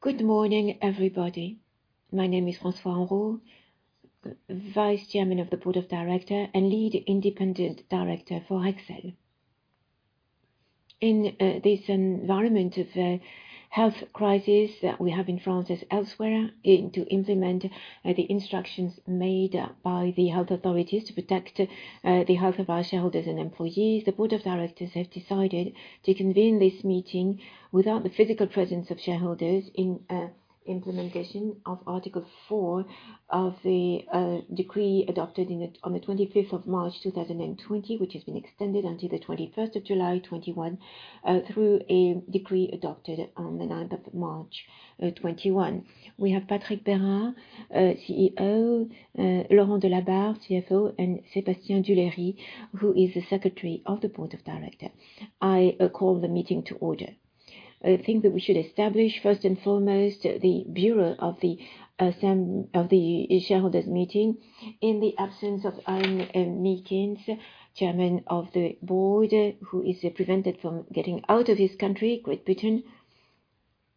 Good morning, everybody. My name is François Henrot, Vice Chairman of the Board of Directors and Lead Independent Director for Rexel. In this environment of health crisis that we have in France as elsewhere, and to implement the instructions made by the health authorities to protect the health of our shareholders and employees, the Board of Directors have decided to convene this meeting without the physical presence of shareholders in implementation of Article four of the decree adopted on the 25th of March, two thousand and twenty, which has been extended until the 21st of July, 21, through a decree adopted on the ninth of March, 21. We have Patrick Bérard, CEO, Laurent Delabarre, CFO, and Sébastien Duléry, who is the Secretary of the Board of Directors. I call the meeting to order. I think that we should establish, first and foremost, the Bureau of the shareholders' meeting. In the absence of Ian Meakins, Chairman of the Board, who is prevented from getting out of his country, Great Britain,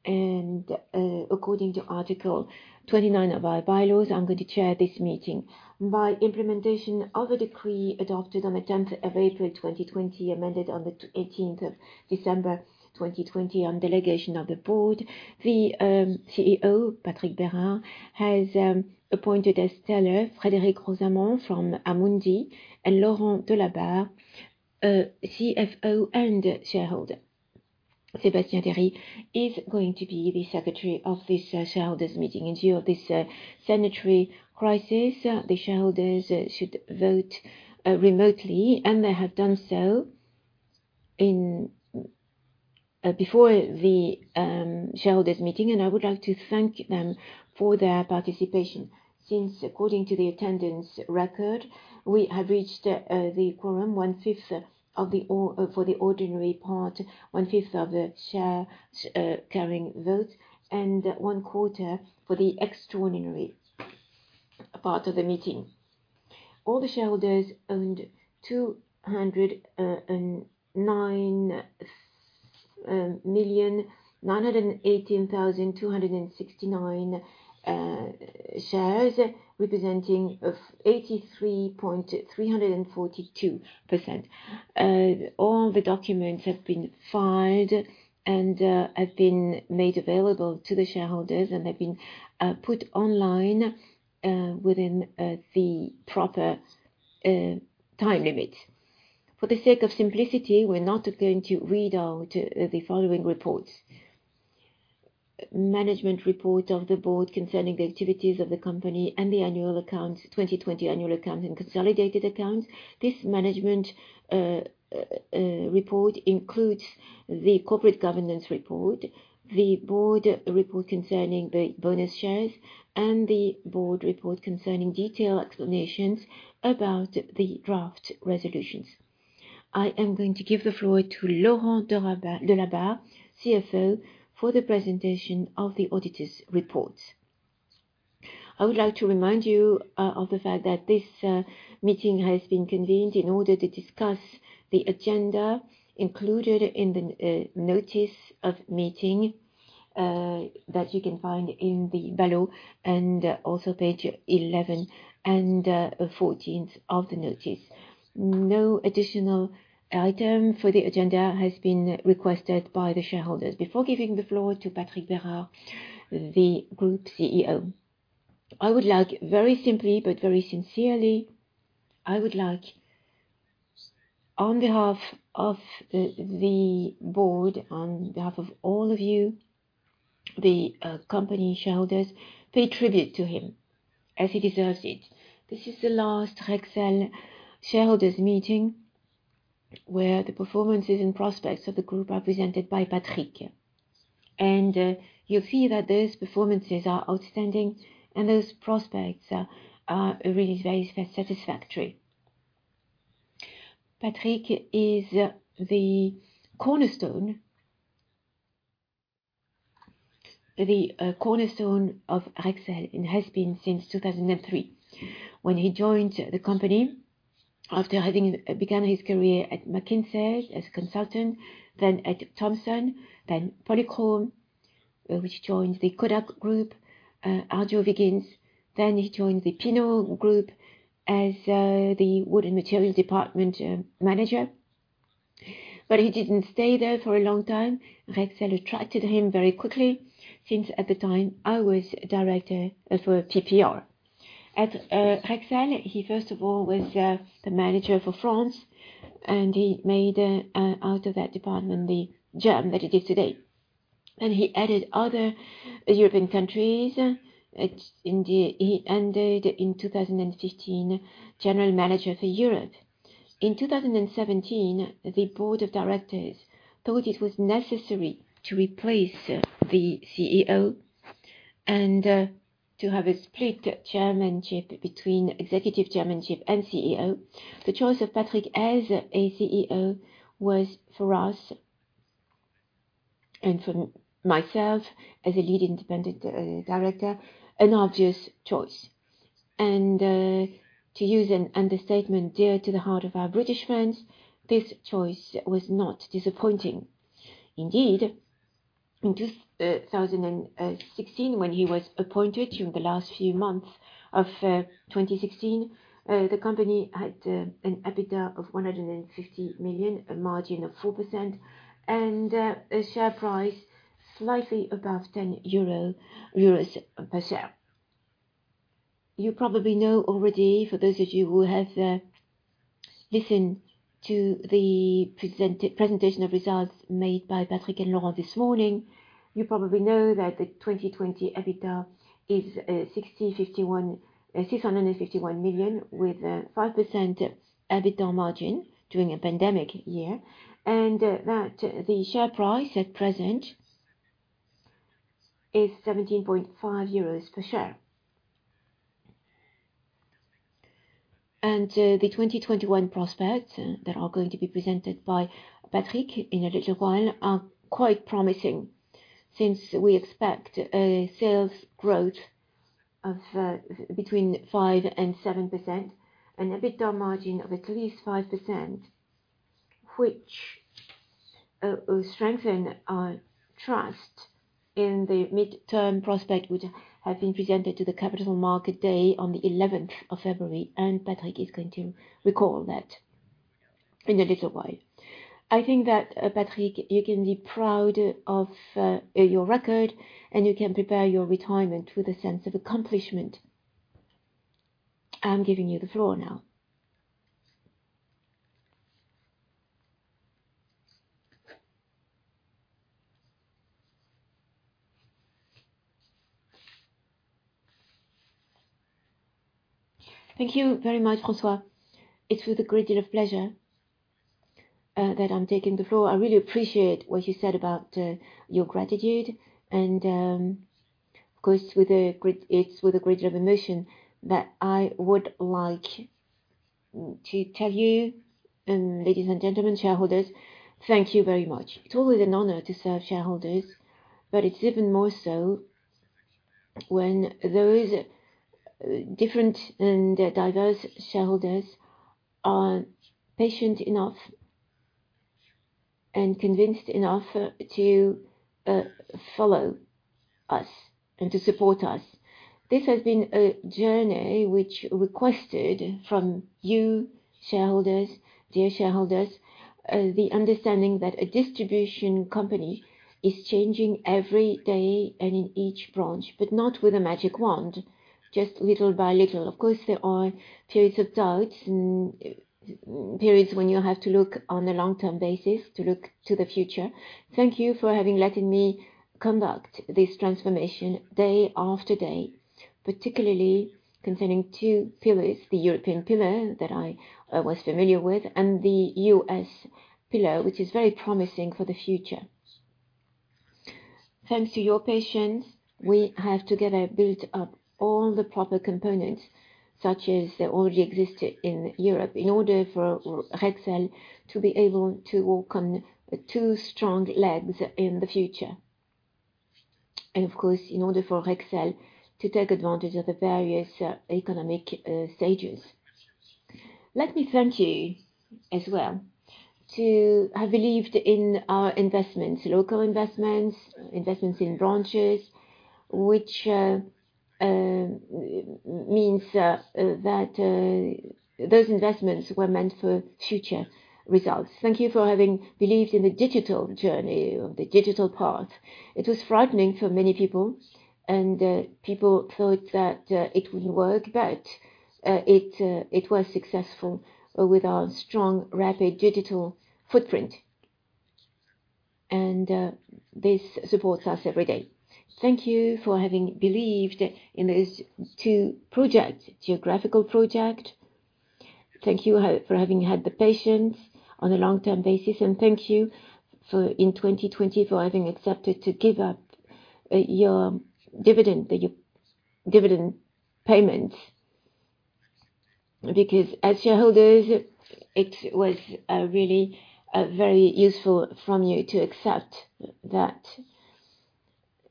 and according to Article 29 of our bylaws, I'm going to chair this meeting. By implementation of the decree adopted on the tenth of April, 2020, amended on the eighteenth of December, 2020, on delegation of the board, the CEO, Patrick Bérard, has appointed as teller, Frédéric de Rozemont from Amundi and Laurent Delabarre, CFO and shareholder. Sébastien Duléry is going to be the secretary of this shareholders' meeting. Due to this sanitary crisis, the shareholders should vote remotely, and they have done so before the shareholders' meeting, and I would like to thank them for their participation. Since according to the attendance record, we have reached the quorum, one-fifth of the shares carrying vote for the ordinary part, and one quarter for the extraordinary part of the meeting. All the shareholders owned 209,918,269 shares, representing 83.342%. All the documents have been filed and have been made available to the shareholders, and have been put online within the proper time limit. For the sake of simplicity, we're not going to read out the following reports. Management report of the board concerning the activities of the company and the annual accounts, twenty twenty annual accounts and consolidated accounts. This management report includes the corporate governance report, the board report concerning the bonus shares, and the board report concerning detailed explanations about the draft resolutions. I am going to give the floor to Laurent Delabarre, CFO, for the presentation of the auditors' reports. I would like to remind you of the fact that this meeting has been convened in order to discuss the agenda included in the notice of meeting that you can find in the ballot, and also page 11 and 14 of the notice. No additional item for the agenda has been requested by the shareholders. Before giving the floor to Patrick Bérard, the Group CEO, I would like very simply, but very sincerely, I would like, on behalf of the board, on behalf of all of you, the company shareholders, pay tribute to him as he deserves it. This is the last Rexel shareholders' meeting, where the performances and prospects of the group are presented by Patrick. You'll see that those performances are outstanding, and those prospects are really very satisfactory. Patrick is the cornerstone of Rexel, and has been since two thousand and three, when he joined the company after having began his career at McKinsey as a consultant, then at Thomson, then Polychrome, which joined the Kodak Group, ArjoWiggins. Then he joined the Pinault Group as the Wood and Materials Department manager. But he didn't stay there for a long time. Rexel attracted him very quickly, since at the time I was director for PPR. At Rexel, he first of all was the manager for France, and he made out of that department the gem that it is today. And he added other European countries. He ended in two thousand and fifteen General Manager for Europe. In two thousand and seventeen, the Board of Directors thought it was necessary to replace the CEO and to have a split chairmanship between executive chairmanship and CEO. The choice of Patrick as a CEO was for us, and for myself as a Lead Independent Director, an obvious choice. And to use an understatement dear to the heart of our British friends, this choice was not disappointing. Indeed, in 2016, when he was appointed during the last few months of 2016, the company had an EBITDA of 150 million, a margin of 4%, and a share price slightly above 10 euro per share. You probably know already, for those of you who have listened to the presentation of results made by Patrick and Laurent this morning, you probably know that the 2020 EBITDA is 651 million, with a 5% EBITDA margin during a pandemic year, and that the share price at present is EUR 17.5 per share. The 2021 prospects that are going to be presented by Patrick in a little while are quite promising, since we expect a sales growth of between 5% and 7% and EBITDA margin of at least 5%, which strengthen our trust in the midterm prospect, which have been presented to the Capital Market Day on the eleventh of February, and Patrick is going to recall that in a little while. I think that, Patrick, you can be proud of your record, and you can prepare your retirement with a sense of accomplishment. I'm giving you the floor now. Thank you very much, François. It's with a great deal of pleasure that I'm taking the floor. I really appreciate what you said about your gratitude, and of course, it's with a great deal of emotion that I would like to tell you, and ladies and gentlemen, shareholders, thank you very much. It's always an honor to serve shareholders, but it's even more so when those different and diverse shareholders are patient enough and convinced enough to follow us and to support us. This has been a journey which requested from you, shareholders, dear shareholders, the understanding that a distribution company is changing every day and in each branch, but not with a magic wand, just little by little. Of course, there are periods of doubts and periods when you have to look on a long-term basis to look to the future. Thank you for having let me conduct this transformation day after day, particularly concerning two pillars, the European pillar that I was familiar with, and the U.S. pillar, which is very promising for the future. Thanks to your patience, we have together built up all the proper components, such as they already existed in Europe, in order for Rexel to be able to walk on two strong legs in the future, and of course, in order for Rexel to take advantage of the various economic stages. Let me thank you as well to have believed in our investments, local investments, investments in branches, which means that those investments were meant for future results. Thank you for having believed in the digital journey or the digital path. It was frightening for many people, and people thought that it wouldn't work, but it was successful with our strong, rapid digital footprint, and this supports us every day. Thank you for having believed in those two projects, geographical project. Thank you for having had the patience on a long-term basis, and thank you for, in 2020, for having accepted to give up your dividend, the dividend payment, because as shareholders, it was really very useful from you to accept that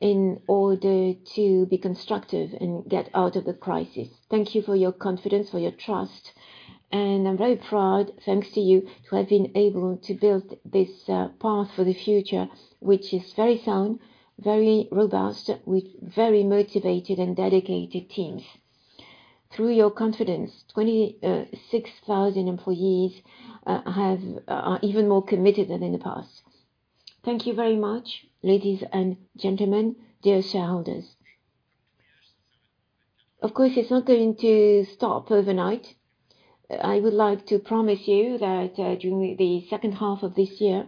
in order to be constructive and get out of the crisis. Thank you for your confidence, for your trust, and I'm very proud, thanks to you, to have been able to build this path for the future, which is very sound, very robust, with very motivated and dedicated teams. Through your confidence, 26 thousand employees are even more committed than in the past. Thank you very much, ladies and gentlemen, dear shareholders. Of course, it's not going to stop overnight. I would like to promise you that, during the second half of this year,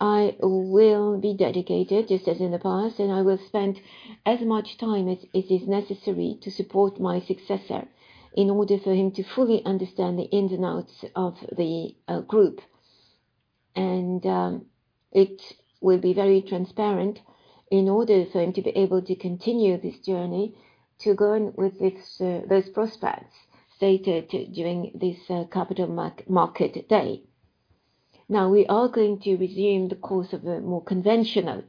I will be dedicated, just as in the past, and I will spend as much time as it is necessary to support my successor in order for him to fully understand the ins and outs of the group. And it will be very transparent in order for him to be able to continue this journey, to go on with its those prospects stated during this Capital Market Day. Now, we are going to resume the course of the more conventional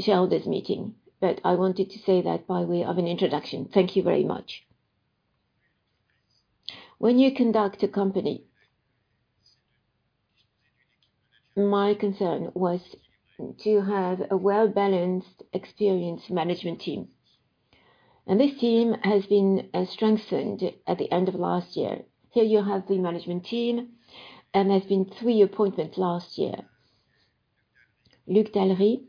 shareholder's meeting, but I wanted to say that by way of an introduction. Thank you very much. When you conduct a company, my concern was to have a well-balanced, experienced management team, and this team has been strengthened at the end of last year. Here you have the management team, and there's been three appointments last year. Luc Dallery,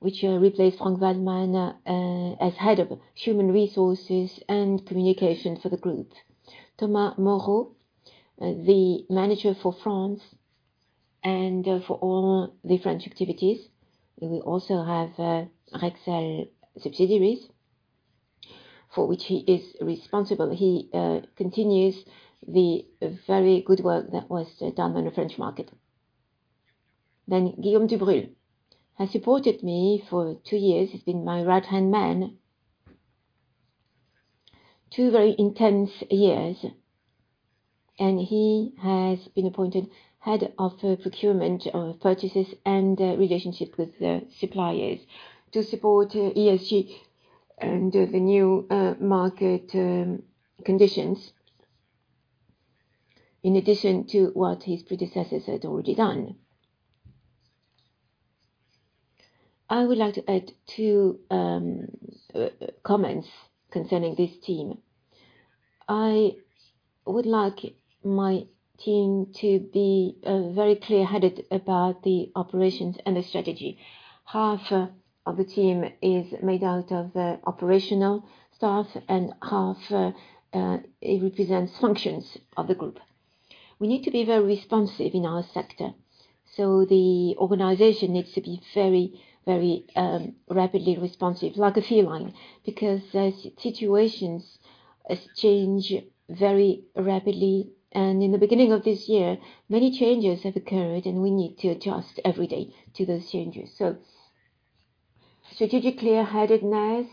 which replaced Frank Waldmann as Head of Human Resources and Communications for the group. Thomas Moreau, the manager for France and for all the French activities. We will also have Rexel subsidiaries, for which he is responsible. He continues the very good work that was done on the French market. Then Guillaume Dubrule has supported me for two years. He's been my right-hand man. Two very intense years, and he has been appointed head of Procurement, Purchases and Relationships with Suppliers to support ESG under the new market conditions, in addition to what his predecessors had already done. I would like to add two comments concerning this team. I would like my team to be very clear-headed about the operations and the strategy. Half of the team is made out of operational staff and half it represents functions of the group. We need to be very responsive in our sector, so the organization needs to be very, very rapidly responsive, like a feline, because those situations change very rapidly. And in the beginning of this year, many changes have occurred, and we need to adjust every day to those changes. So strategic clear-headedness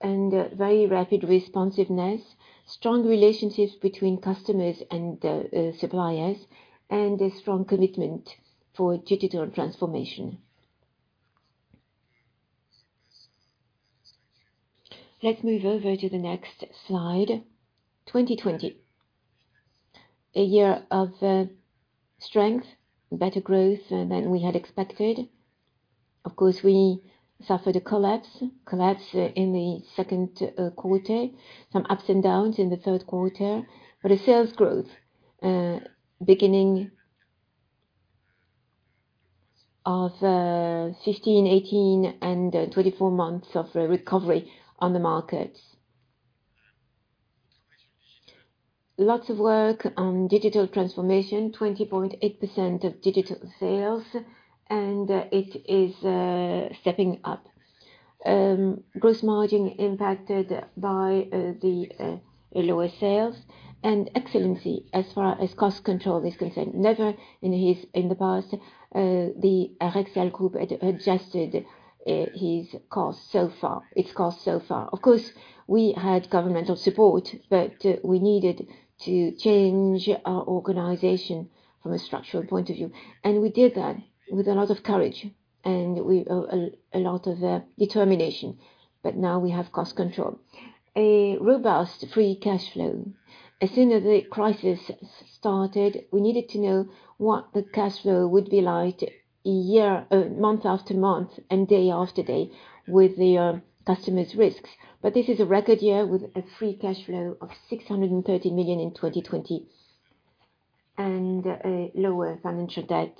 and very rapid responsiveness, strong relationships between customers and suppliers, and a strong commitment for digital transformation. Let's move over to the next slide. 2020, a year of strength, better growth than we had expected. Of course, we suffered a collapse in the second quarter, some ups and downs in the third quarter, but a sales growth beginning of 15, 18, and 24 months of recovery on the market. Lots of work on digital transformation, 20.8% of digital sales, and it is stepping up. Gross margin impacted by the lower sales and excellence as far as cost control is concerned. Never in its history has the Rexel Group adjusted its costs so far. Of course, we had governmental support, but we needed to change our organization from a structural point of view, and we did that with a lot of courage, and a lot of determination, but now we have cost control. A robust free cash flow. As soon as the crisis started, we needed to know what the cash flow would be like year, month after month and day after day with the customers' risks. But this is a record year with a free cash flow of 630 million in 2020, and a lower financial debt,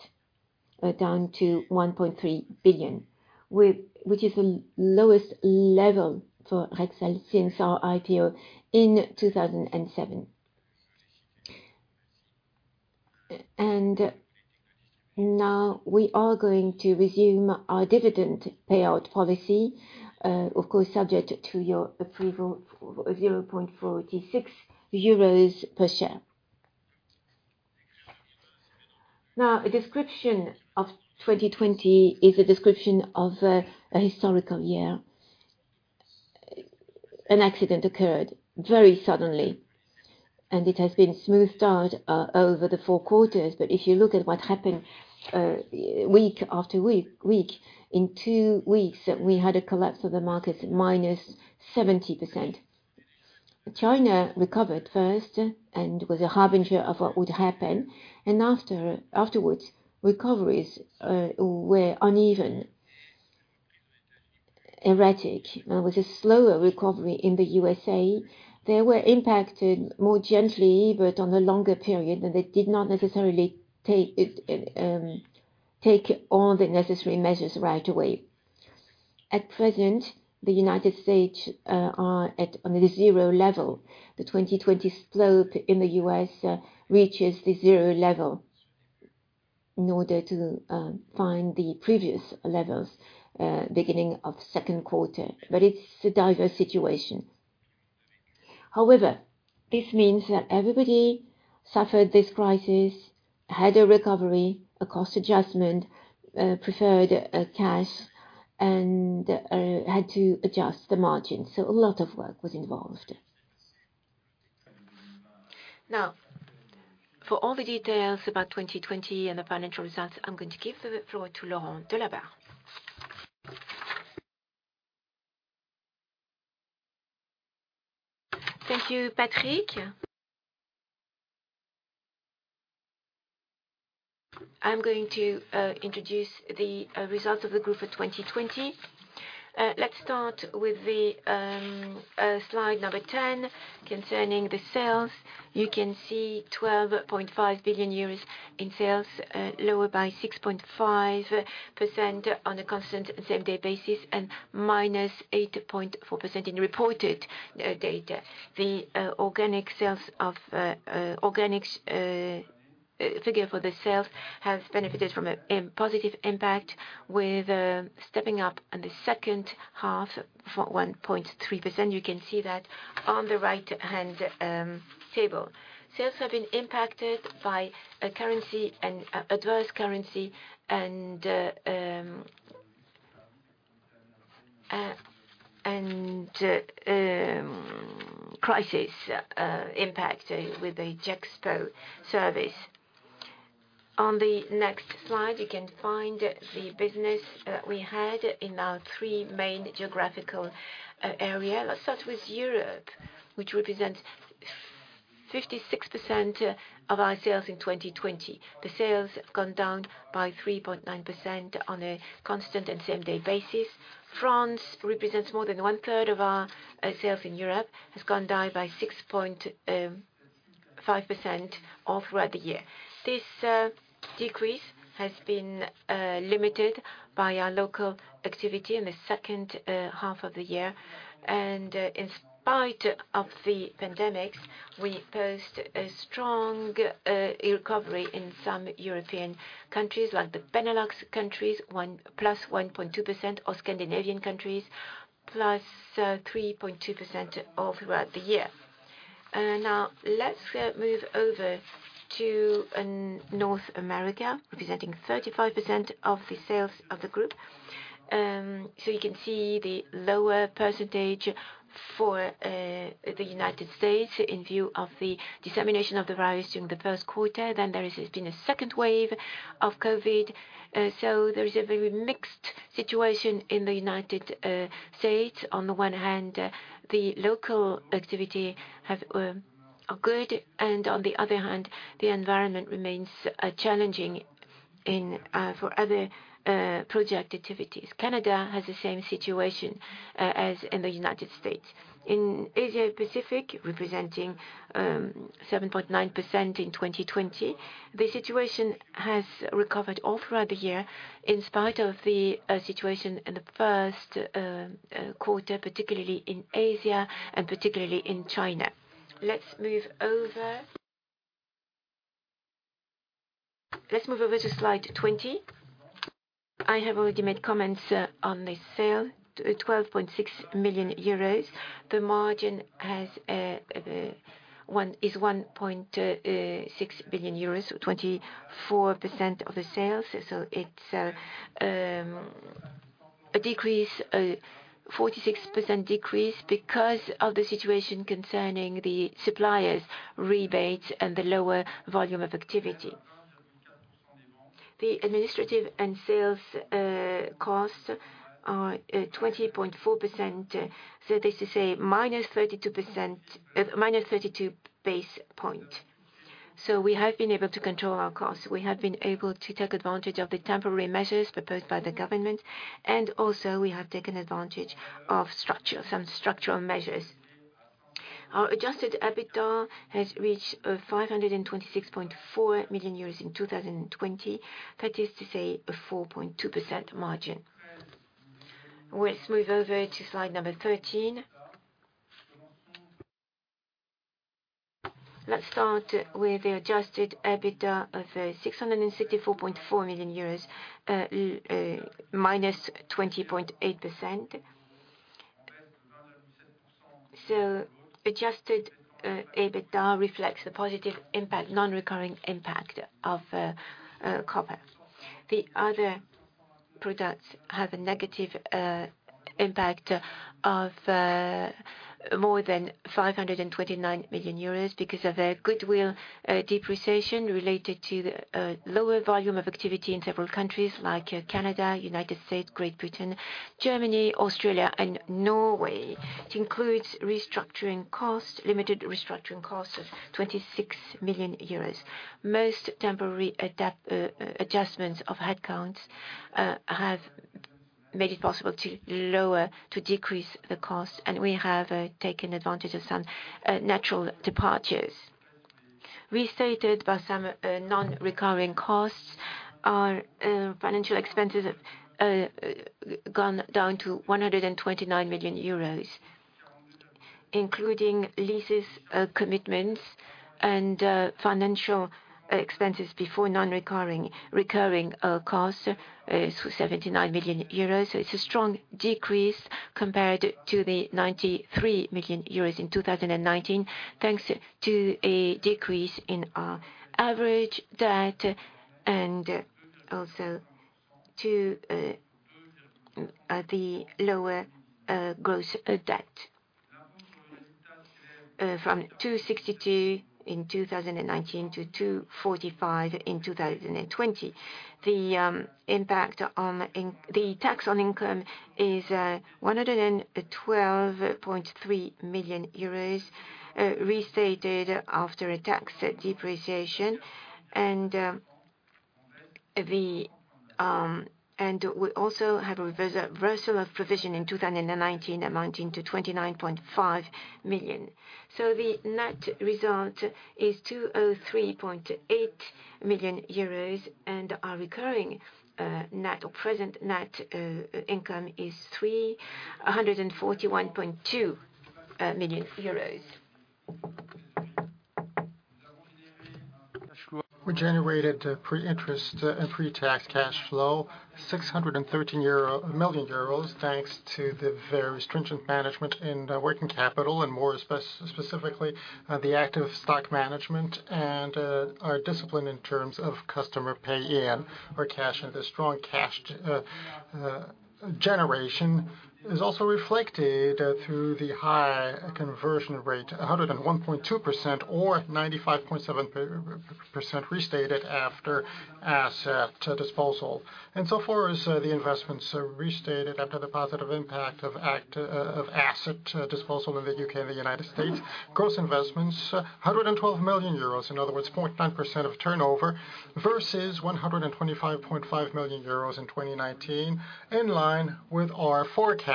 down to 1.3 billion, which is the lowest level for Rexel since our IPO in 2007. And now we are going to resume our dividend payout policy, of course, subject to your approval, of 0.46 euros per share. Now, a description of 2020 is a description of a historical year. An accident occurred very suddenly, and it has been smoothed out over the four quarters. But if you look at what happened week after week in two weeks, we had a collapse of the markets, minus 70%. China recovered first and was a harbinger of what would happen, and afterwards recoveries were uneven, erratic. There was a slower recovery in the USA. They were impacted more gently, but on a longer period, and they did not necessarily take all the necessary measures right away. At present, the United States are at on the zero level. The 2020 slope in the US reaches the zero level in order to find the previous levels beginning of second quarter, but it's a diverse situation. However, this means that everybody suffered this crisis, had a recovery, a cost adjustment, preferred cash and had to adjust the margin. So a lot of work was involved. Now, for all the details about 2020 and the financial results, I'm going to give the floor to Laurent Delabarre. Thank you, Patrick. I'm going to introduce the results of the group for 2020. Let's start with the slide number 10, concerning the sales. You can see 12.5 billion euros in sales, lower by 6.5% on a constant same-day basis, and -8.4% in reported data. The organic sales figure for the sales has benefited from a positive impact with stepping up in the second half for 1.3%. You can see that on the right-hand table. Sales have been impacted by a currency and adverse currency and crisis impact with the Gexpro Services. On the next slide, you can find the business that we had in our three main geographical area. Let's start with Europe, which represents 56% of our sales in 2020. The sales have gone down by 3.9% on a constant and same-day basis. France represents more than one-third of our sales in Europe, has gone down by 6.5% all throughout the year. This decrease has been limited by our local activity in the second half of the year, and in spite of the pandemics, we post a strong recovery in some European countries, like the Benelux countries plus 1.2%, or Scandinavian countries plus 3.2% all throughout the year. Now let's move over to North America, representing 35% of the sales of the group, so you can see the lower percentage for the United States in view of the dissemination of the virus during the first quarter, then there has been a second wave of COVID, so there is a very mixed situation in the United States. On the one hand, the local activity have are good, and on the other hand, the environment remains challenging in for other project activities. Canada has the same situation as in the United States. In Asia Pacific, representing 7.9% in 2020, the situation has recovered all throughout the year, in spite of the situation in the first quarter, particularly in Asia and particularly in China. Let's move over. Let's move over to slide 20. I have already made comments on the sale 12.6 million euros. The margin has one is 1.6 billion euros or 24% of the sales. So it's a decrease, a 46% decrease because of the situation concerning the suppliers' rebates and the lower volume of activity. The administrative and sales costs are 20.4%, so that is to say, minus 32 basis points. So we have been able to control our costs. We have been able to take advantage of the temporary measures proposed by the government, and also, we have taken advantage of some structural measures. Our Adjusted EBITDA has reached 526.4 million euros in 2020. That is to say, a 4.2% margin. Let's move over to slide 13. Let's start with the Adjusted EBITDA of 664.4 million euros, -20.8%. So Adjusted EBITDA reflects the positive impact, non-recurring impact of copper. The other products have a negative impact of more than 529 million euros because of their goodwill depreciation related to the lower volume of activity in several countries like Canada, United States, Great Britain, Germany, Australia, and Norway. It includes restructuring costs, limited restructuring costs of 26 million euros. Most temporary adapt adjustments of headcounts have made it possible to lower, to decrease the cost, and we have taken advantage of some natural departures. Restated by some non-recurring costs, our financial expenses have gone down to 129 million euros, including lease commitments and financial expenses before non-recurring, recurring costs, so 79 million euros. It's a strong decrease compared to 93 million euros in 2019, thanks to a decrease in our average debt and also to the lower gross debt from 262 in 2019 to 245 in 2020. The impact on the tax on income is 112.3 million euros, restated after a tax depreciation. And we also have a reversal of provision in 2019 amounting to 29.5 million. The net result is 203.8 million euros, and our recurring net operating income is 341.2 million euros. We generated pre-interest and pre-tax cash flow 613 million euro, thanks to the very stringent management in working capital, and more specifically the active stock management and our discipline in terms of customer pay in or cash. The strong cash generation is also reflected through the high conversion rate 101.2% or 95.7% restated after asset disposal. And so far as the investments are restated after the positive impact of asset disposal in the U.K. and the United States, gross investments 112 million euros, in other words 0.9% of turnover, versus 125.5 million euros in 2019, in line with our forecast.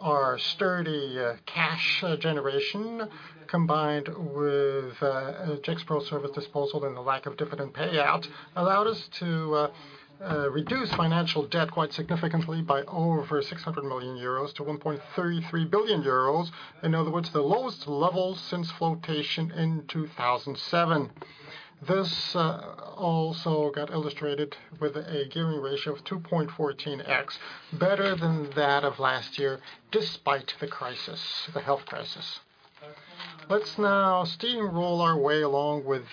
Our sturdy cash generation, combined with Rexel service disposal and the lack of dividend payout, allowed us to reduce financial debt quite significantly by over 600 million euros to 1.33 billion euros. In other words, the lowest level since flotation in two thousand and seven. This also got illustrated with a gearing ratio of 2.14x, better than that of last year, despite the crisis, the health crisis. Let's now steamroll our way along with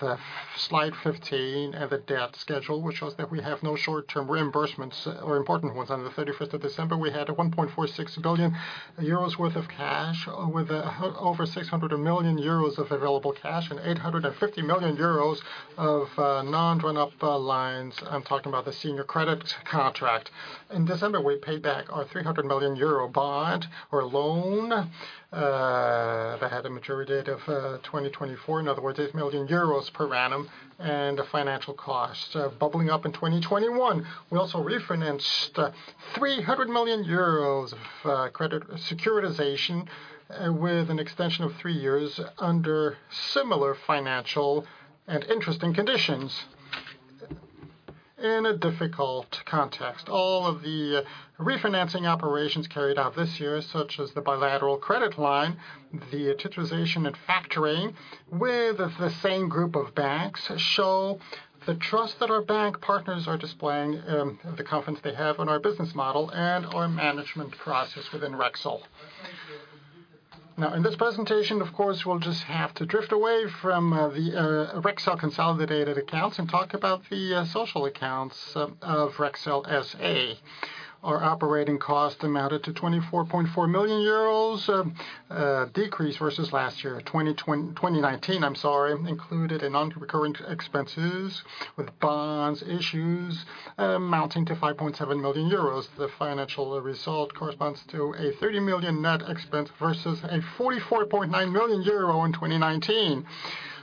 slide 15 and the debt schedule, which shows that we have no short-term reimbursements or important ones. On the thirty-first of December, we had 1.46 billion euros worth of cash, with over 600 million euros of available cash and 850 million euros of undrawn lines. I'm talking about the senior credit contract. In December, we paid back our 300 million euro bond or loan that had a maturity date of 2024, in other words, 8 million euros per annum, and a financial cost of about 3% in 2021. We also refinanced 300 million euros of credit securitization with an extension of three years under similar financial and interesting conditions. In a difficult context, all of the refinancing operations carried out this year, such as the bilateral credit line, the utilization and factoring with the same group of banks, show the trust that our bank partners are displaying, the confidence they have in our business model and our management process within Rexel. Now, in this presentation, of course, we'll just have to drift away from the Rexel consolidated accounts and talk about the social accounts of Rexel SA. Our operating costs amounted to 24.4 million euros, decrease versus last year. 2019, I'm sorry, included in non-recurring expenses with bond issues amounting to 5.7 million euros. The financial result corresponds to a 30 million net expense versus a 44.9 million euro in 2019.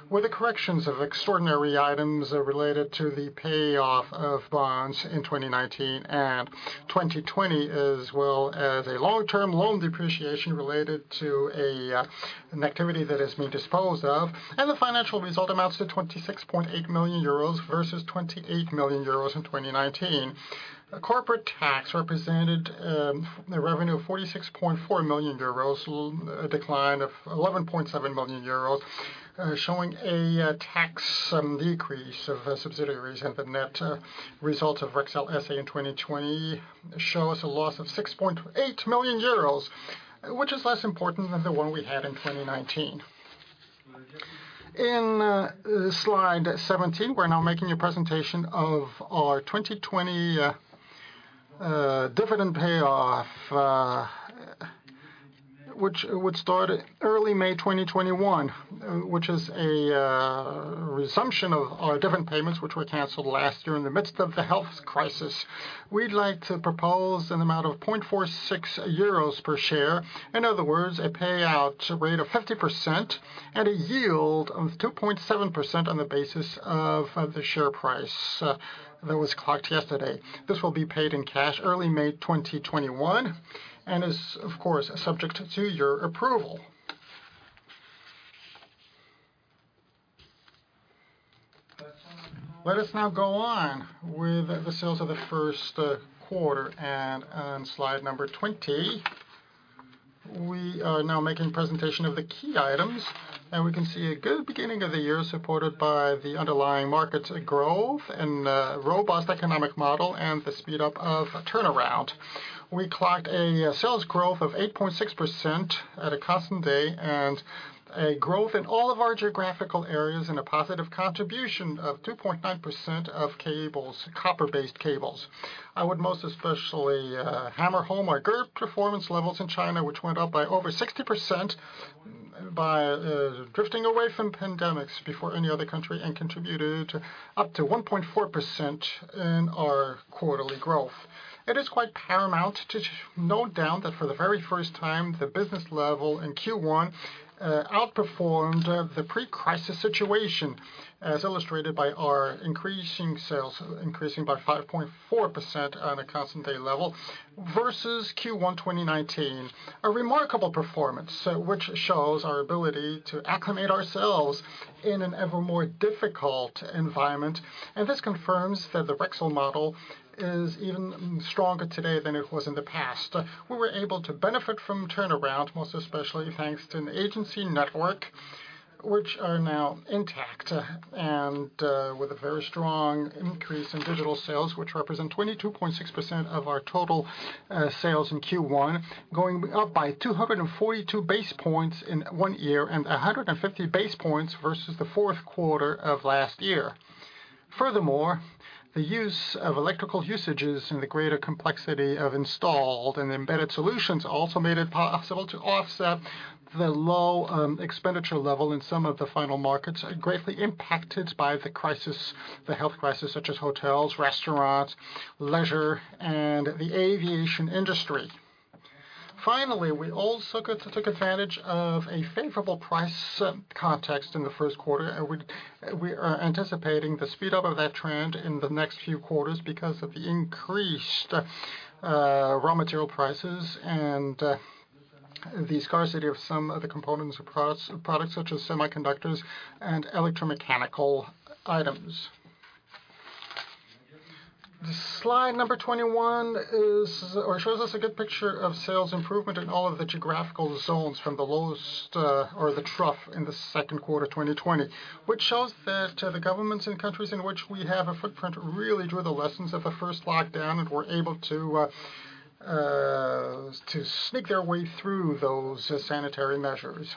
With the corrections of extraordinary items related to the payoff of bonds in 2019 and 2020, as well as a long-term loan depreciation related to an activity that is being disposed of, and the financial result amounts to 26.8 million euros versus 28 million euros in 2019. Corporate tax represented a revenue of 46.4 million euros, a decline of 11.7 million euros, showing a tax decrease of subsidiaries. The net results of Rexel SA in 2020 show us a loss of 6.8 million euros, which is less important than the one we had in 2019. In slide 17, we're now making a presentation of our 2020 dividend payout, which would start early May 2021, which is a resumption of our dividend payments, which were canceled last year in the midst of the health crisis. We'd like to propose an amount of 0.46 euros per share, in other words, a payout rate of 50% and a yield of 2.7% on the basis of, of the share price that was clocked yesterday. This will be paid in cash early May 2021, and is, of course, subject to your approval. Let us now go on with the sales of the first quarter, and on slide number 20, we are now making presentation of the key items, and we can see a good beginning of the year, supported by the underlying markets growth and robust economic model, and the speed up of turnaround. We clocked a sales growth of 8.6% at a constant day, and a growth in all of our geographical areas, and a positive contribution of 2.9% of cables, copper-based cables. I would most especially hammer home our group performance levels in China, which went up by over 60% by drifting away from pandemics before any other country, and contributed up to 1.4% in our quarterly growth. It is quite paramount to note down that for the very first time, the business level in Q1 outperformed the pre-crisis situation, as illustrated by our increasing sales, increasing by 5.4% on a constant day level versus Q1 2019. A remarkable performance, so which shows our ability to acclimate ourselves in an ever more difficult environment. This confirms that the Rexel model is even stronger today than it was in the past. We were able to benefit from turnaround, most especially thanks to an agency network, which are now intact, and with a very strong increase in digital sales, which represent 22.6% of our total sales in Q1, going up by 242 basis points in one year and 150 basis points versus the fourth quarter of last year. Furthermore, the use of electrical usages and the greater complexity of installed and embedded solutions also made it possible to offset the low expenditure level in some of the final markets, greatly impacted by the crisis, the health crisis, such as hotels, restaurants, leisure, and the aviation industry. Finally, we also got to take advantage of a favorable price context in the first quarter, and we are anticipating the speed up of that trend in the next few quarters because of the increased raw material prices and the scarcity of some of the components of products such as semiconductors and electromechanical items. Slide number 21 is or shows us a good picture of sales improvement in all of the geographical zones from the lowest or the trough in the second quarter, twenty twenty, which shows that the governments and countries in which we have a footprint really drew the lessons of the first lockdown and were able to sneak their way through those sanitary measures.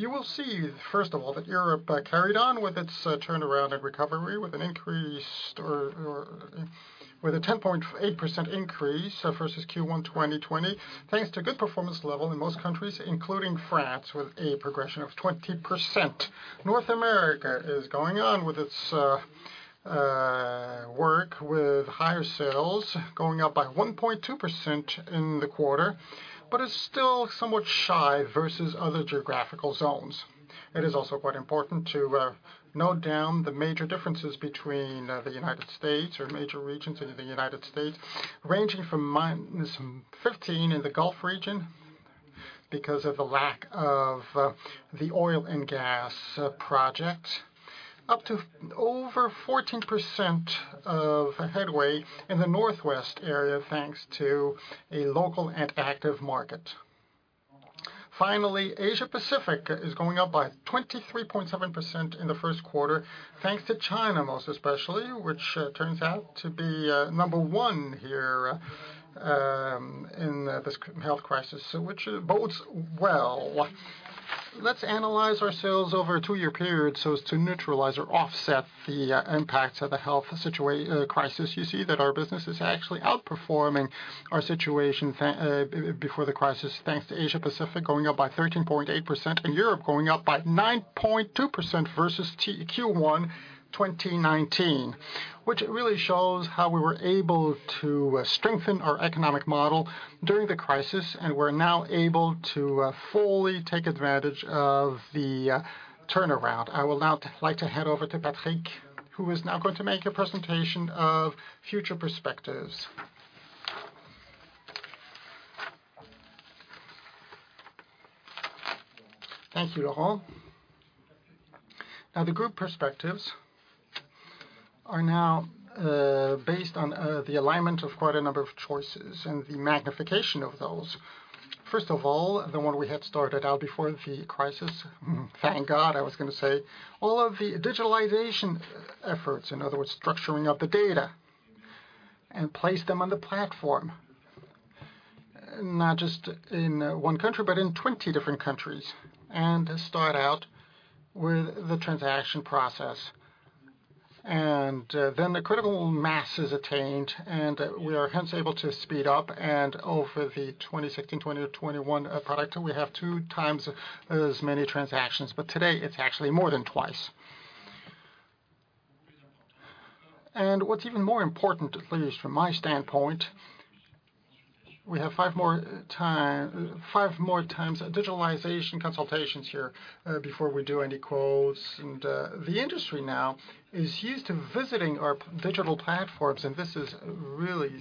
You will see, first of all, that Europe carried on with its turnaround and recovery, with a 10.8% increase versus Q1 2020, thanks to good performance level in most countries, including France, with a progression of 20%. North America is going on with its work, with higher sales going up by 1.2% in the quarter, but is still somewhat shy versus other geographical zones. It is also quite important to note down the major differences between the United States or major regions in the United States, ranging from -15% in the Gulf Region because of the lack of the oil and gas projects, up to over 14% of headway in the Northwest area, thanks to a local and active market. Finally, Asia Pacific is going up by 23.7% in the first quarter, thanks to China, most especially, which turns out to be number one here in this health crisis, which bodes well. Let's analyze our sales over a two-year period so as to neutralize or offset the impacts of the health crisis. You see that our business is actually outperforming our situation before the crisis, thanks to Asia Pacific going up by 13.8%, and Europe going up by 9.2% versus Q1 2019, which really shows how we were able to strengthen our economic model during the crisis, and we're now able to fully take advantage of the turnaround. I will now like to hand over to Patrick, who is now going to make a presentation of future perspectives. Thank you, Laurent. Now, the group perspectives are now based on the alignment of quite a number of choices and the magnification of those. First of all, the one we had started out before the crisis, thank God, I was gonna say, all of the digitalization efforts, in other words, structuring of the data and place them on the platform, not just in one country, but in 20 different countries, and start out with the transaction process. Then the critical mass is attained, and we are hence able to speed up and over the 2016-2021 product, we have two times as many transactions, but today it's actually more than twice. And what's even more important, at least from my standpoint, we have five more times digitalization consultations here before we do any quotes. The industry now is used to visiting our digital platforms, and this is really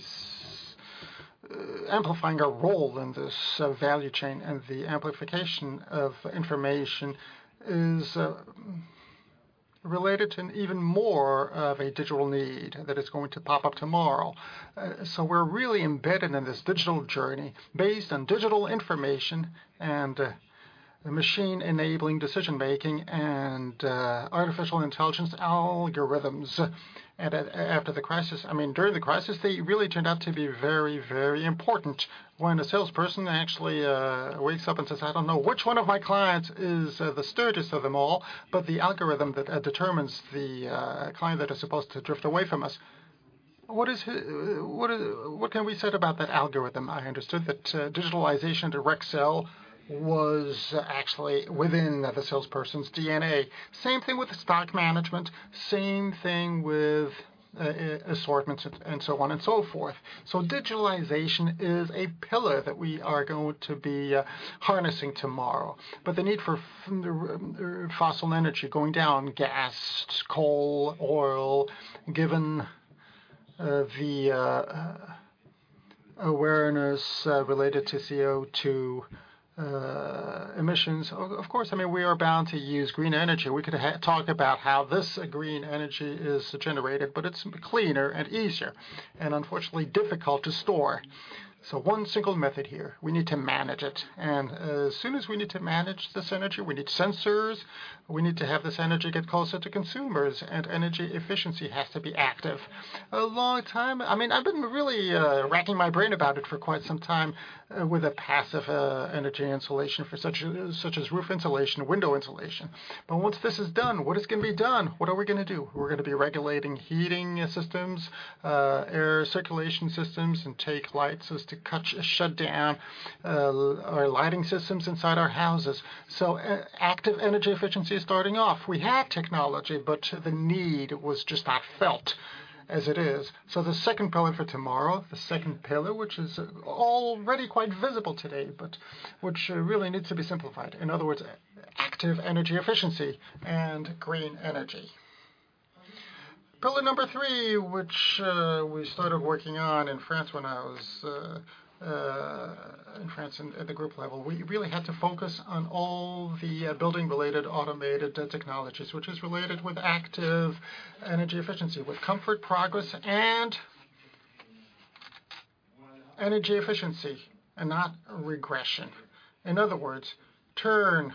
amplifying our role in this value chain. The amplification of information is related to an even more of a digital need that is going to pop up tomorrow. We're really embedded in this digital journey based on digital information and machine-enabling decision-making and artificial intelligence algorithms. After the crisis, I mean, during the crisis, they really turned out to be very, very important when a salesperson actually wakes up and says, "I don't know which one of my clients is the sturdiest of them all," but the algorithm that determines the client that is supposed to drift away from us. What can we say about that algorithm? I understood that digitalization to Rexel was actually within the salesperson's DNA. Same thing with the stock management, same thing with assortments and so on and so forth. Digitalization is a pillar that we are going to be harnessing tomorrow. But the need for the fossil energy going down, gas, coal, oil, given the awareness related to CO2 emissions, of course, I mean, we are bound to use green energy. We could talk about how this green energy is generated, but it's cleaner and easier, and unfortunately difficult to store. So one single method here, we need to manage it. And as soon as we need to manage this energy, we need sensors, we need to have this energy get closer to consumers, and energy efficiency has to be active. A long time I mean, I've been really racking my brain about it for quite some time with a passive energy insulation for such as roof insulation, window insulation. But once this is done, what is going to be done? What are we gonna do? We're gonna be regulating heating systems, air circulation systems, and take light systems to cut, shut down, our lighting systems inside our houses. So active energy efficiency is starting off. We had technology, but the need was just not felt as it is. So the second pillar for tomorrow, the second pillar, which is already quite visible today, but which really needs to be simplified. In other words, active energy efficiency and green energy. Pillar number three, which we started working on in France when I was in France and at the group level, we really had to focus on all the building-related automated technologies, which is related with active energy efficiency, with comfort, progress, and energy efficiency, and not regression. In other words, turn...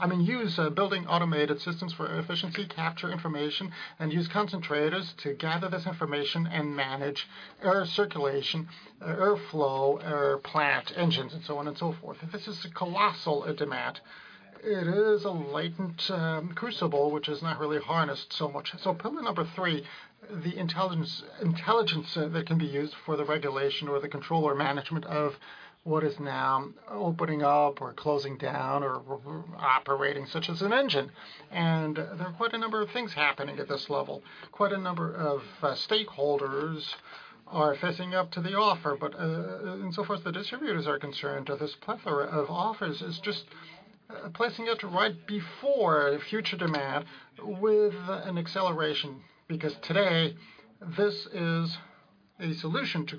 I mean, use building automated systems for efficiency, capture information, and use concentrators to gather this information and manage air circulation, air flow, air plant engines, and so on and so forth. This is a colossal demand. It is a latent crucible, which is not really harnessed so much. Pillar number three, the intelligence, intelligence that can be used for the regulation or the control or management of what is now opening up or closing down or operating, such as an engine. There are quite a number of things happening at this level. Quite a number of stakeholders are facing up to the offer. But in so far as the distributors are concerned, this plethora of offers is just placing it right before future demand with an acceleration, because today, this is a solution to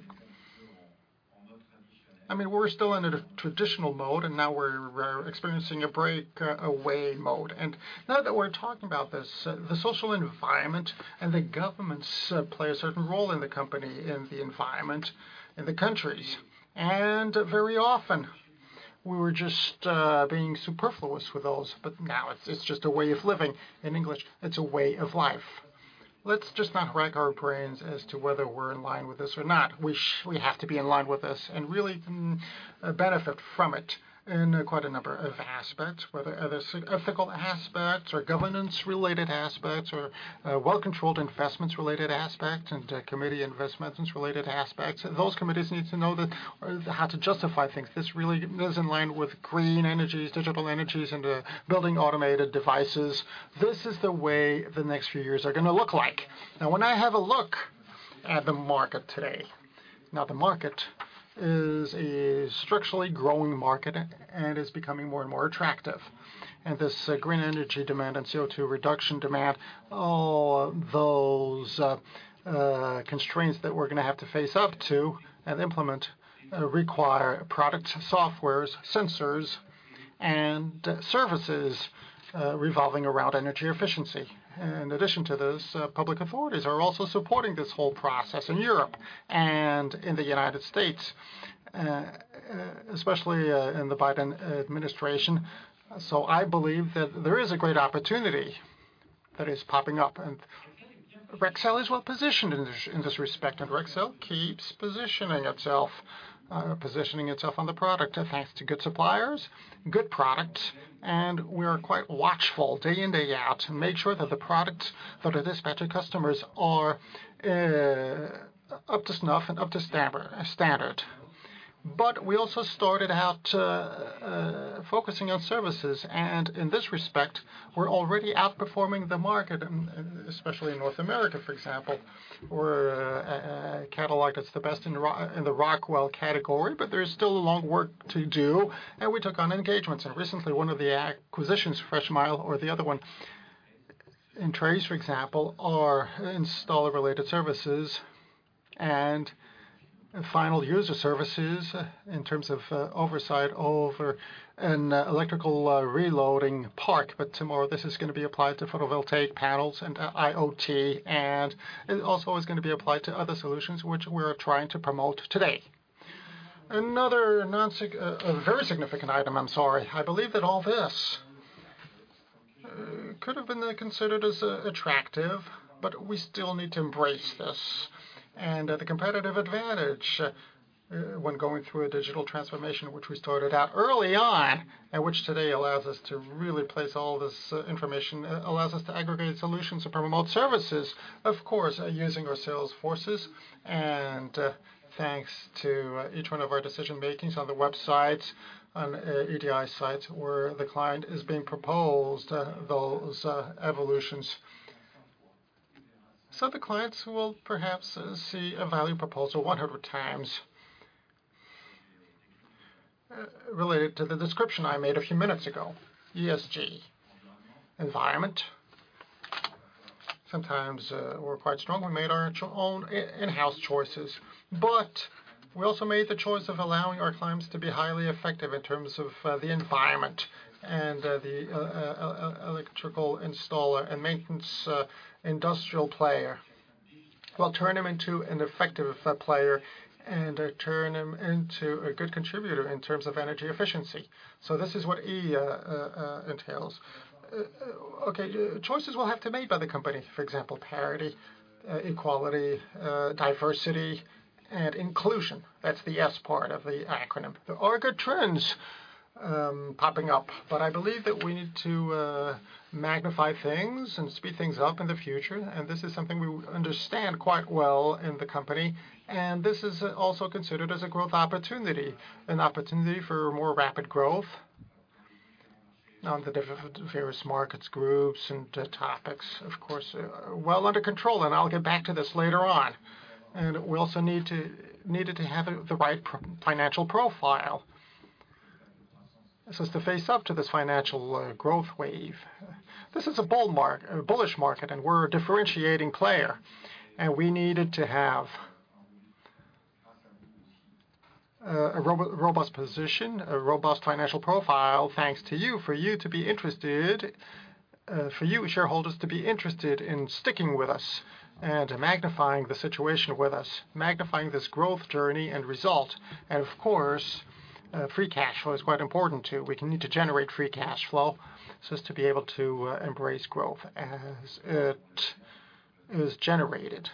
I mean, we're still in a traditional mode, and now we're experiencing a break away mode. And now that we're talking about this, the social environment and the governments play a certain role in the company, in the environment, in the countries. And very often, we were just being superfluous with those, but now it's just a way of living. In English, it's a way of life. Let's just not rack our brains as to whether we're in line with this or not. We have to be in line with this and really benefit from it in quite a number of aspects, whether they're ethical aspects or governance-related aspects or well-controlled investments-related aspects and committee investments-related aspects. Those committees need to know that, how to justify things. This really is in line with green energies, digital energies, and building automated devices. This is the way the next few years are gonna look like. Now, when I have a look at the market today, now, the market is a structurally growing market and is becoming more and more attractive, and this green energy demand and CO2 reduction demand, all those constraints that we're gonna have to face up to and implement require products, software, sensors, and services revolving around energy efficiency. In addition to this, public authorities are also supporting this whole process in Europe and in the United States, especially, in the Biden administration. So I believe that there is a great opportunity that is popping up, and Rexel is well positioned in this, in this respect, and Rexel keeps positioning itself, positioning itself on the product, and thanks to good suppliers, good product, and we are quite watchful day in, day out, to make sure that the products that are dispatched to customers are, up to snuff and up to standard. But we also started out, focusing on services, and in this respect, we're already outperforming the market, especially in North America, for example, where Capital Electric is the best in the Rockwell category, but there is still a long work to do, and we took on engagements. And recently, one of the acquisitions, Freshmile or the other one, Trace, for example, are installer-related services and final user services in terms of oversight over an electrical recharging park. But tomorrow, this is gonna be applied to photovoltaic panels and IoT, and it also is gonna be applied to other solutions which we are trying to promote today. Another, a very significant item, I'm sorry. I believe that all this could have been considered as attractive, but we still need to embrace this. The competitive advantage when going through a digital transformation, which we started out early on, and which today allows us to really place all this information, allows us to aggregate solutions to promote services. Of course, using our sales forces, and thanks to each one of our decision makings on the website, on EDI sites, where the client is being proposed those evolutions, so the clients will perhaps see a value proposal 100 times. Related to the description I made a few minutes ago, ESG, environment. Sometimes, we're quite strongly made our own in-house choices, but we also made the choice of allowing our clients to be highly effective in terms of the environment and the electrical installer and maintenance, industrial player. We'll turn him into an effective player and turn him into a good contributor in terms of energy efficiency. So this is what E entails. Okay, choices will have to be made by the company, for example, parity, equality, diversity and inclusion. That's the S part of the acronym. There are good trends popping up, but I believe that we need to magnify things and speed things up in the future, and this is something we understand quite well in the company, and this is also considered as a growth opportunity, an opportunity for more rapid growth on the different various markets, groups, and topics, of course, well under control, and I'll get back to this later on. And we also need to have the right financial profile. This is to face up to this financial, growth wave. This is a bull market, a bullish market, and we're a differentiating player, and we needed to have, a robust position, a robust financial profile, thanks to you, for you to be interested, for you shareholders to be interested in sticking with us and magnifying the situation with us, magnifying this growth journey and result. And of course, free cash flow is quite important, too. We can need to generate free cash flow so as to be able to, embrace growth as it is generated.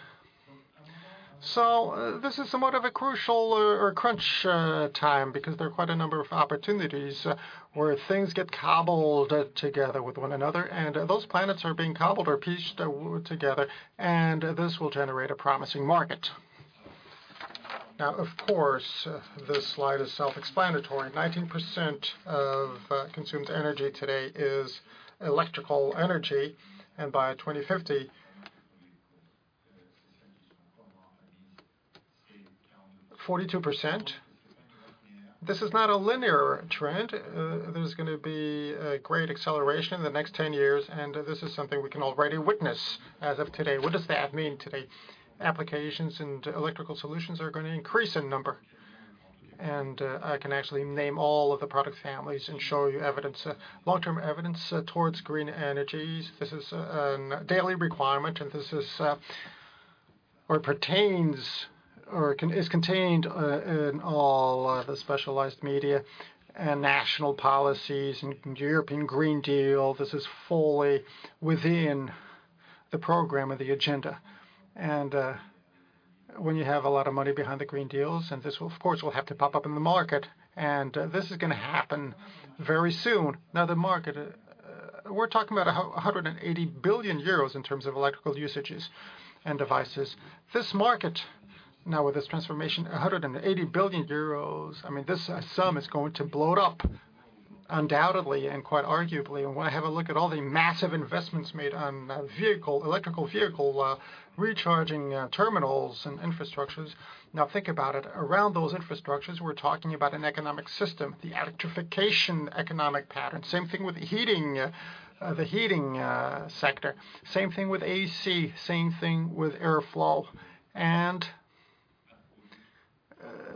So, this is somewhat of a crucial or crunch time, because there are quite a number of opportunities where things get cobbled together with one another, and those planets are being cobbled or pieced, together, and this will generate a promising market. Now, of course, this slide is self-explanatory. 19% of consumed energy today is electrical energy, and by 2050, 42%. This is not a linear trend. There's gonna be a great acceleration in the next 10 years, and this is something we can already witness as of today. What does that mean today? Applications and electrical solutions are gonna increase in number, and I can actually name all of the product families and show you evidence, long-term evidence, towards green energies. This is a daily requirement, and this is where it pertains or is contained in all of the specialized media and national policies and European Green Deal. This is fully within the program of the agenda. When you have a lot of money behind the Green Deals, and this will, of course, will have to pop up in the market, and this is gonna happen very soon. Now, the market, we're talking about 180 billion euros in terms of electrical usages and devices. This market, now with this transformation, 180 billion euros, I mean, this sum is going to blow it up, undoubtedly and quite arguably. And when I have a look at all the massive investments made on vehicle, electric vehicle recharging terminals and infrastructures, now think about it. Around those infrastructures, we're talking about an economic system, the electrification economic pattern. Same thing with heating, the heating sector. Same thing with AC, same thing with airflow.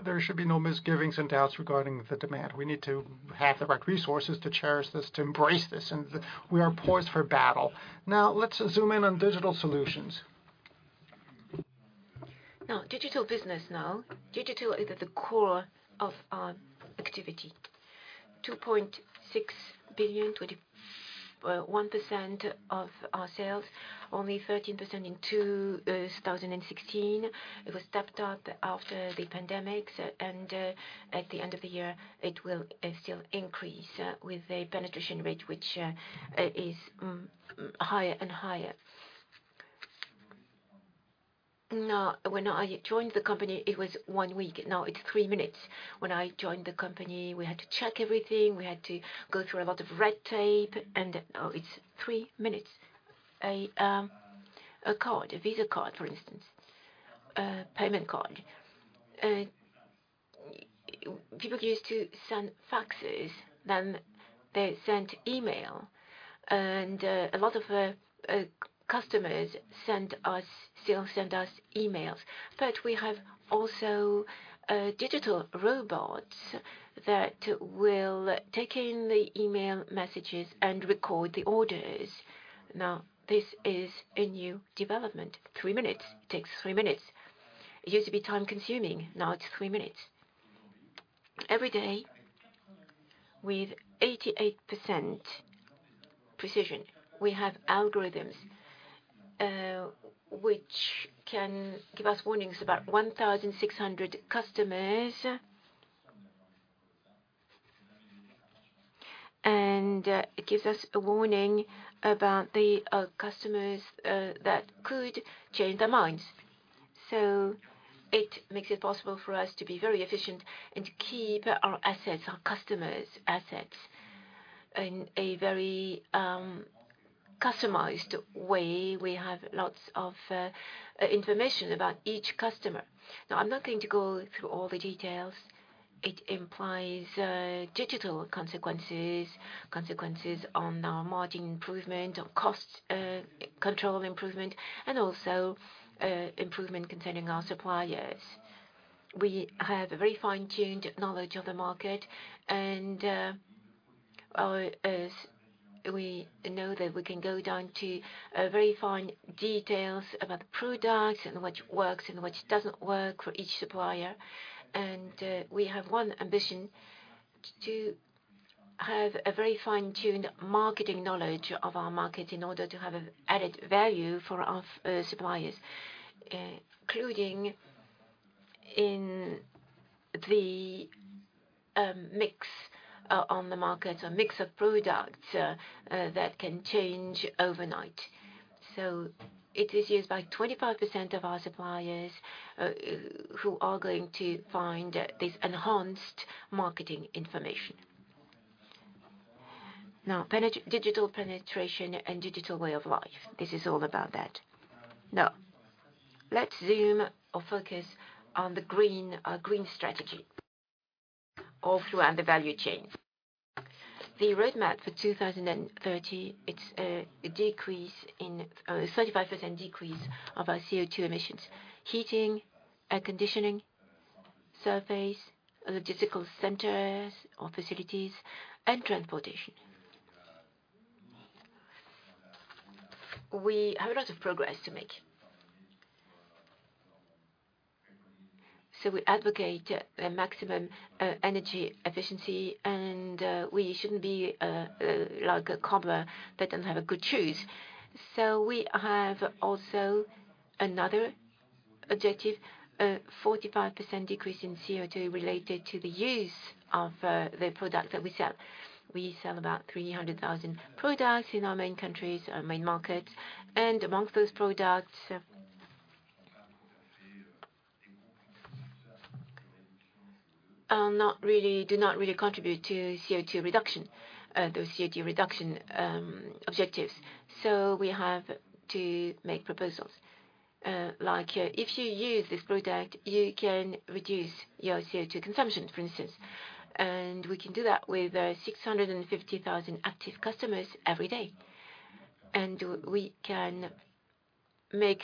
There should be no misgivings and doubts regarding the demand. We need to have the right resources to cherish this, to embrace this, and we are poised for battle. Now, let's zoom in on digital solutions. Now, digital business now. Digital is at the core of our activity. 2.6 billion, 21% of our sales, only 13% in 2016. It was stepped up after the pandemic, and at the end of the year, it will still increase with a penetration rate which is higher and higher. Now, when I joined the company, it was one week, now it's three minutes. When I joined the company, we had to check everything. We had to go through a lot of red tape, and now it's three minutes. A card, a Visa card, for instance, a payment card. People used to send faxes, then they sent email, and a lot of customers send us, still send us emails. But we have also digital robots that will take in the email messages and record the orders. Now, this is a new development. Three minutes, takes three minutes. It used to be time-consuming, now it's three minutes. Every day, with 88% precision, we have algorithms which can give us warnings about 1,600 customers and it gives us a warning about the customers that could change their minds. So it makes it possible for us to be very efficient and to keep our assets, our customers' assets, in a very customized way. We have lots of information about each customer. Now, I'm not going to go through all the details. It implies digital consequences, consequences on our margin improvement, on cost control improvement, and also improvement concerning our suppliers. We have a very fine-tuned knowledge of the market, and our we know that we can go down to very fine details about products and which works and which doesn't work for each supplier. And we have one ambition, to have a very fine-tuned marketing knowledge of our market in order to have an added value for our suppliers, including in the mix on the market or mix of products that can change overnight. So it is used by 25% of our suppliers who are going to find this enhanced marketing information. Now, digital penetration and digital way of life, this is all about that. Now, let's zoom or focus on the green strategy all throughout the value chain. The roadmap for two thousand and thirty, it's a decrease in... 35% decrease of our CO2 emissions, heating, air conditioning, surveys, logistical centers or facilities, and transportation. We have a lot of progress to make. So we advocate a maximum energy efficiency, and we shouldn't be like a cobra that doesn't have good shoes. So we have also another objective, a 45% decrease in CO2 related to the use of the products that we sell. We sell about 300,000 products in our main countries, our main market, and amongst those products do not really contribute to CO2 reduction, those CO2 reduction objectives. So we have to make proposals, like, if you use this product, you can reduce your CO2 consumption, for instance. And we can do that with 650,000 active customers every day. And we can make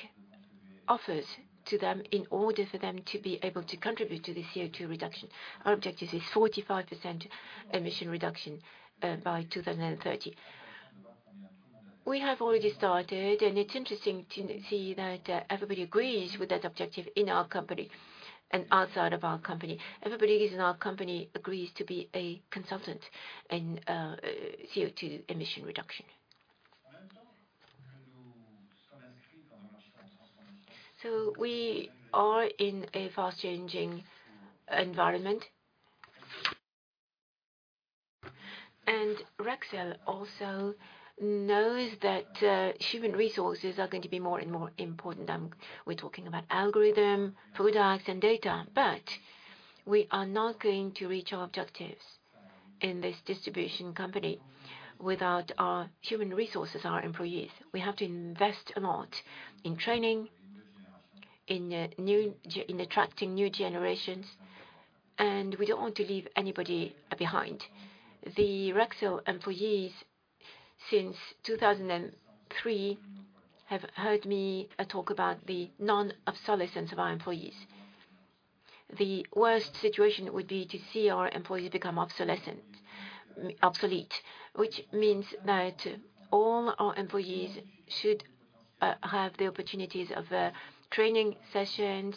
offers to them in order for them to be able to contribute to the CO2 reduction. Our objective is 45% emission reduction by 2030. We have already started, and it's interesting to see that everybody agrees with that objective in our company and outside of our company. Everybody who's in our company agrees to be a consultant in CO2 emission reduction. So we are in a fast-changing environment. And Rexel also knows that human resources are going to be more and more important. We're talking about algorithm, products, and data, but we are not going to reach our objectives in this distribution company without our human resources, our employees. We have to invest a lot in training, in new generations, and we don't want to leave anybody behind. The Rexel employees, since two thousand and three, have heard me talk about the non-obsolescence of our employees. The worst situation would be to see our employees become obsolescent, obsolete, which means that all our employees should have the opportunities of training sessions,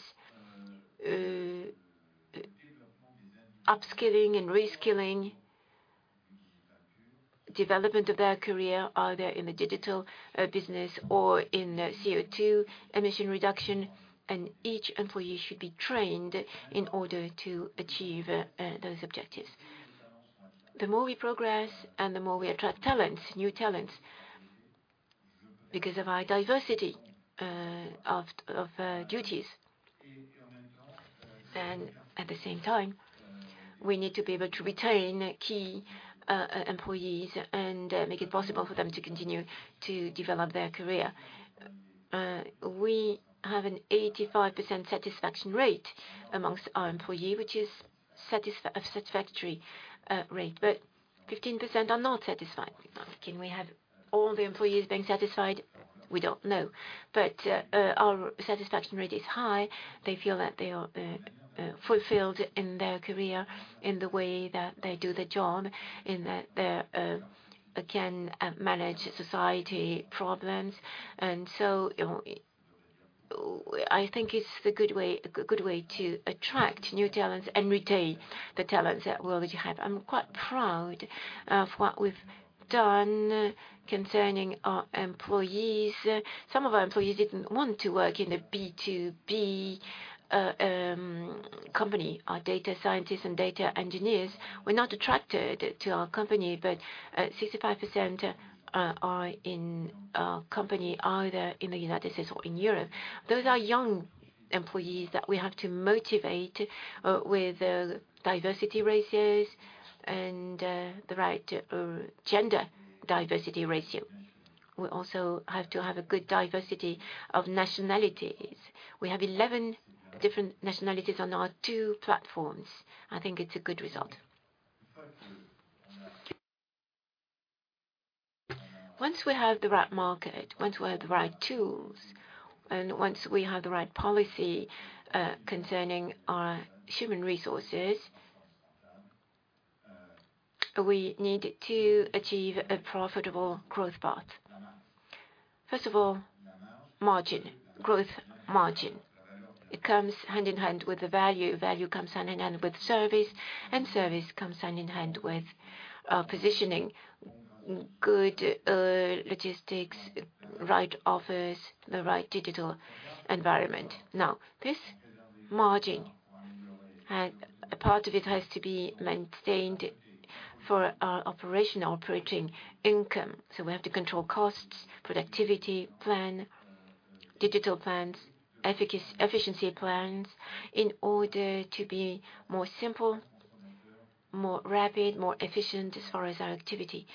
upskilling and reskilling, development of their career, either in the digital business or in the CO2 emission reduction, and each employee should be trained in order to achieve those objectives. The more we progress and the more we attract talents, new talents, because of our diversity of duties, and at the same time, we need to be able to retain key employees and make it possible for them to continue to develop their career. We have an 85% satisfaction rate among our employees, which is a satisfactory rate. Fifteen percent are not satisfied. Can we have all the employees being satisfied? We don't know. Our satisfaction rate is high. They feel that they are fulfilled in their career, in the way that they do their job, in the, again, managing societal problems. And so, you know, I think it's the good way, a good way to attract new talents and retain the talents that we already have. I'm quite proud of what we've done concerning our employees. Some of our employees didn't want to work in a B2B company. Our data scientists and data engineers were not attracted to our company, but 65% are in our company, either in the United States or in Europe. Those are young employees that we have to motivate with diversity ratios and the right gender diversity ratio. We also have to have a good diversity of nationalities. We have 11 different nationalities on our two platforms. I think it's a good result. Once we have the right market, once we have the right tools, and once we have the right policy concerning our human resources, we need to achieve a profitable growth path. First of all, margin, growth margin, it comes hand-in-hand with the value. Value comes hand-in-hand with service, and service comes hand-in-hand with positioning. Good logistics, right offers, the right digital environment. Now, this margin, a part of it has to be maintained for our operational operating income. So we have to control costs, productivity plan, digital plans, efficiency plans in order to be more simple, more rapid, more efficient as far as our activity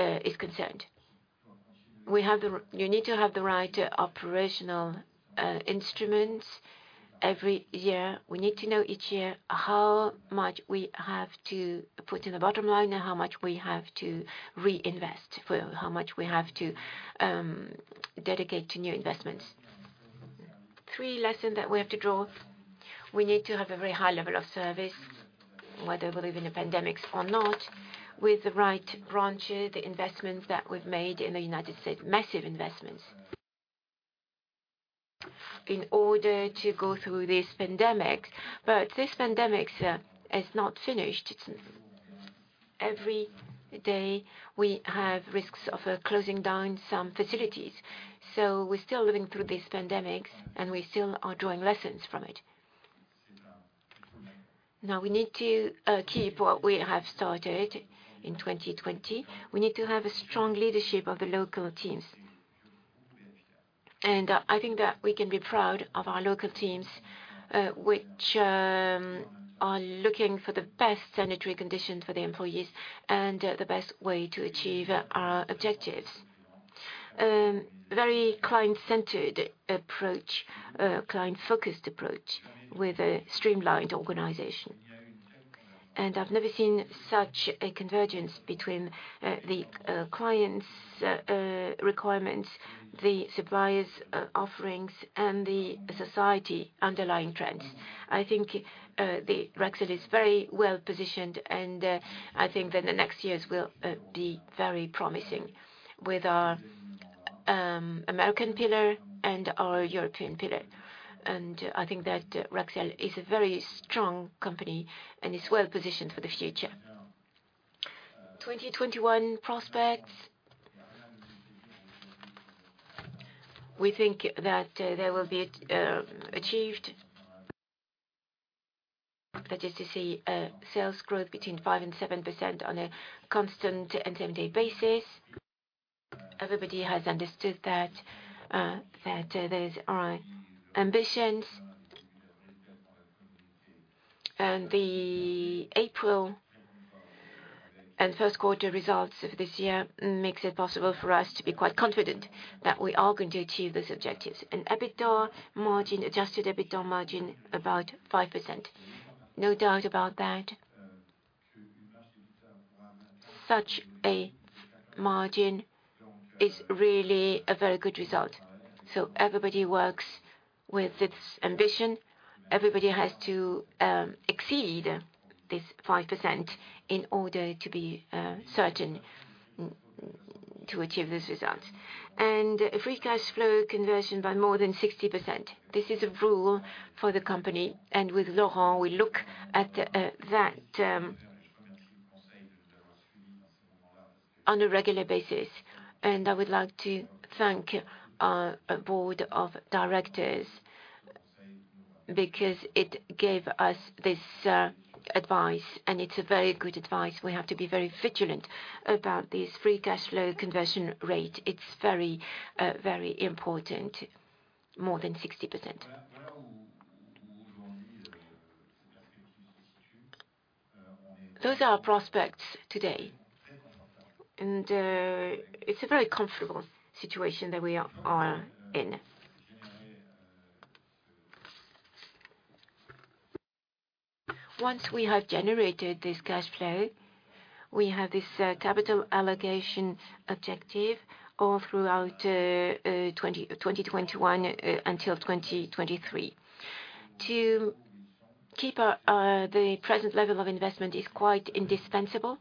is concerned. You need to have the right operational instruments every year. We need to know each year how much we have to put in the bottom line and how much we have to reinvest, for how much we have to dedicate to new investments. Three lessons that we have to draw. We need to have a very high level of service, whether we're living in pandemics or not, with the right branches, the investments that we've made in the United States, massive investments in order to go through this pandemic. But this pandemic is not finished. Every day, we have risks of closing down some facilities. So we're still living through this pandemic, and we still are drawing lessons from it. Now, we need to keep what we have started in 2020. We need to have a strong leadership of the local teams. And, I think that we can be proud of our local teams, which are looking for the best sanitary conditions for the employees and the best way to achieve our objectives. Very client-centered approach, client-focused approach with a streamlined organization. And I've never seen such a convergence between the clients' requirements, the suppliers' offerings, and the society underlying trends. I think Rexel is very well positioned, and I think that the next years will be very promising with our American pillar and our European pillar. I think that Rexel is a very strong company, and it's well-positioned for the future. 2021 prospects. We think that they will be achieved. That is to say, a sales growth between 5% and 7% on a constant and same-day basis. Everybody has understood that those are our ambitions. The April and first quarter results of this year makes it possible for us to be quite confident that we are going to achieve those objectives. EBITDA margin, adjusted EBITDA margin, about 5%, no doubt about that. Such a margin is really a very good result. So everybody works with this ambition. Everybody has to exceed this 5% in order to be certain to achieve these results. Free cash flow conversion by more than 60%, this is a rule for the company. With Laurent, we look at that on a regular basis. I would like to thank our board of directors because it gave us this advice, and it's a very good advice. We have to be very vigilant about this free cash flow conversion rate. It's very important, more than 60%. Those are our prospects today, and it's a very comfortable situation that we are in. Once we have generated this cash flow, we have this capital allocation objective all throughout 2021 until 2023. To keep the present level of investment is quite indispensable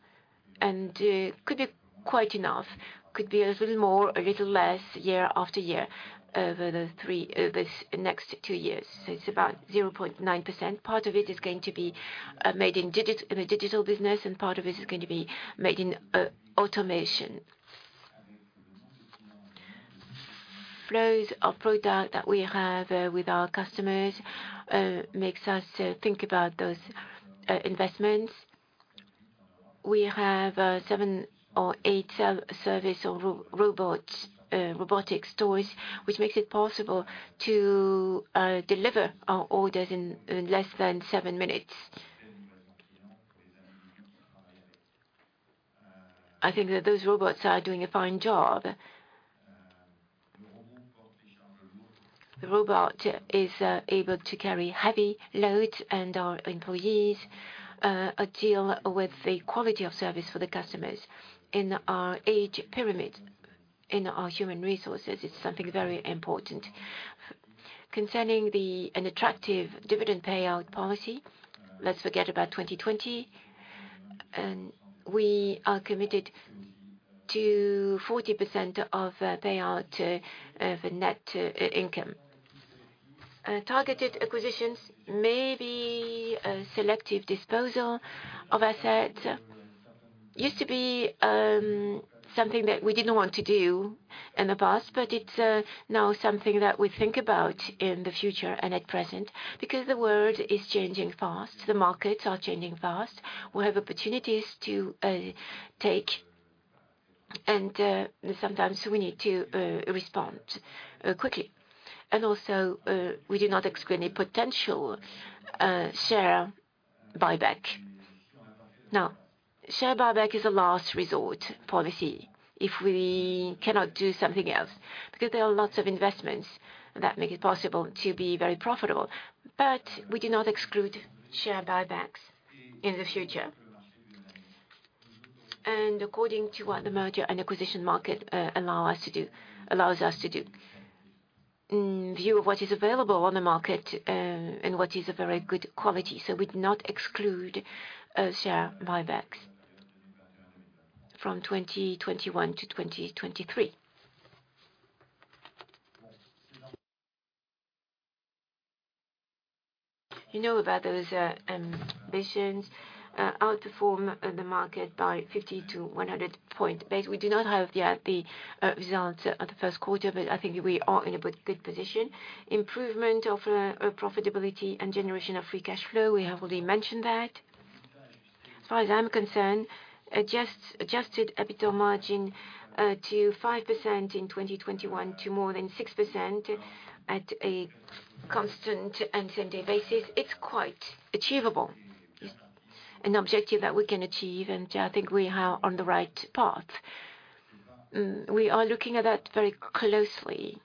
and could be quite enough, could be a little more, a little less year after year, over these next two years. It's about 0.9%. Part of it is going to be made in the digital business, and part of it is going to be made in automation. Flows of product that we have with our customers makes us think about those investments. We have seven or eight self-service robotic stores, which makes it possible to deliver our orders in less than seven minutes. I think that those robots are doing a fine job. The robot is able to carry heavy loads, and our employees deal with the quality of service for the customers. In our age pyramid, in our human resources, it's something very important. Concerning an attractive dividend payout policy, let's forget about 2020, and we are committed to 40% payout of net income. Targeted acquisitions, maybe a selective disposal of asset used to be something that we didn't want to do in the past, but it's now something that we think about in the future and at present, because the world is changing fast. The markets are changing fast. We have opportunities to take, and sometimes we need to respond quickly. And also, we do not exclude any potential share buyback. Now, share buyback is a last resort policy if we cannot do something else, because there are lots of investments that make it possible to be very profitable. But we do not exclude share buybacks in the future. And according to what the merger and acquisition market allows us to do. In view of what is available on the market, and what is a very good quality, so we do not exclude share buybacks from 2021 to 2023. You know about those ambitions to outperform the market by 50 to 100 basis points. We do not have yet the results of the first quarter, but I think we are in a good position. Improvement of profitability and generation of free cash flow, we have already mentioned that. As far as I'm concerned, adjusted EBITDA margin to 5% in 2021 to more than 6% at a constant and same day basis, it's quite achievable. An objective that we can achieve, and I think we are on the right path. We are looking at that very closely.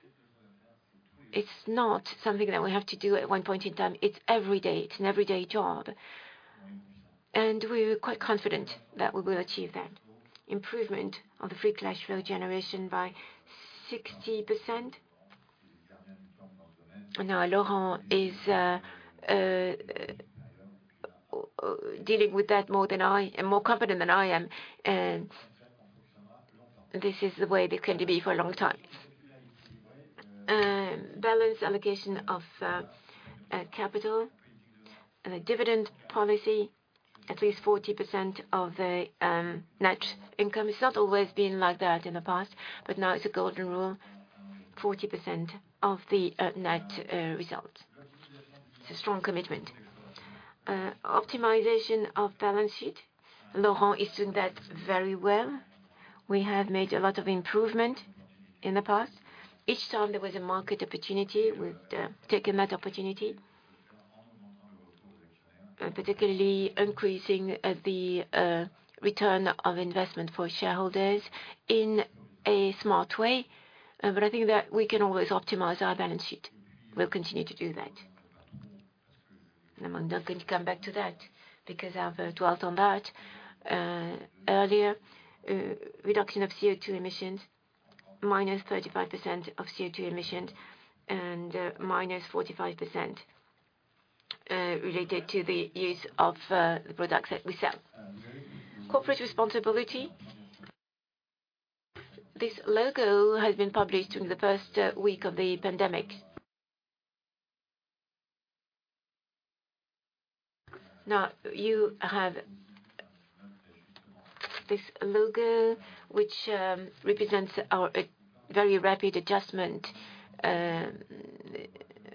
It's not something that we have to do at one point in time. It's every day. It's an everyday job, and we're quite confident that we will achieve that. Improvement of the free cash flow generation by 60%. Now, Laurent is dealing with that more than I... More confident than I am, and this is the way it's going to be for a long time. Balanced allocation of capital and a dividend policy, at least 40% of the net income. It's not always been like that in the past, but now it's a golden rule, 40% of the net result. It's a strong commitment. Optimization of balance sheet, Laurent is doing that very well. We have made a lot of improvement in the past. Each time there was a market opportunity, we've taken that opportunity. Particularly increasing the return of investment for shareholders in a smart way, but I think that we can always optimize our balance sheet. We'll continue to do that, and I'm not going to come back to that because I've dwelt on that earlier. Reduction of CO2 emissions, minus 35% of CO2 emissions and minus 45% related to the use of the products that we sell. Corporate responsibility. This logo has been published in the first week of the pandemic. Now, you have this logo, which represents our very rapid adjustment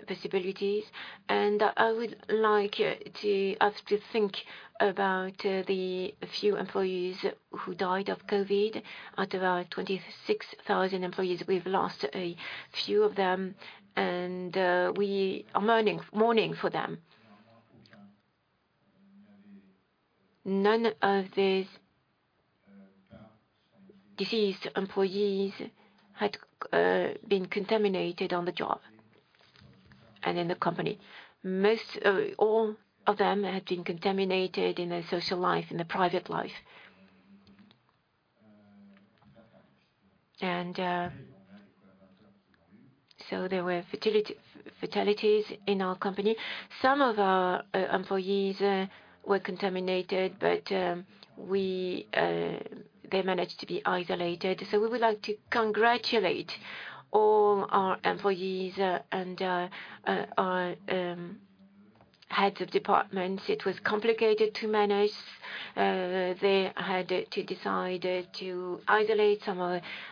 possibilities, and I would like to us to think about the few employees who died of COVID. Out of our 26,000 employees, we've lost a few of them, and we are mourning for them. None of these deceased employees had been contaminated on the job and in the company. Most, all of them had been contaminated in their social life, in their private life. And, so there were fatality, fatalities in our company. Some of our employees were contaminated, but, we, they managed to be isolated. So we would like to congratulate all our employees, and, our heads of departments. It was complicated to manage. They had to decide to isolate some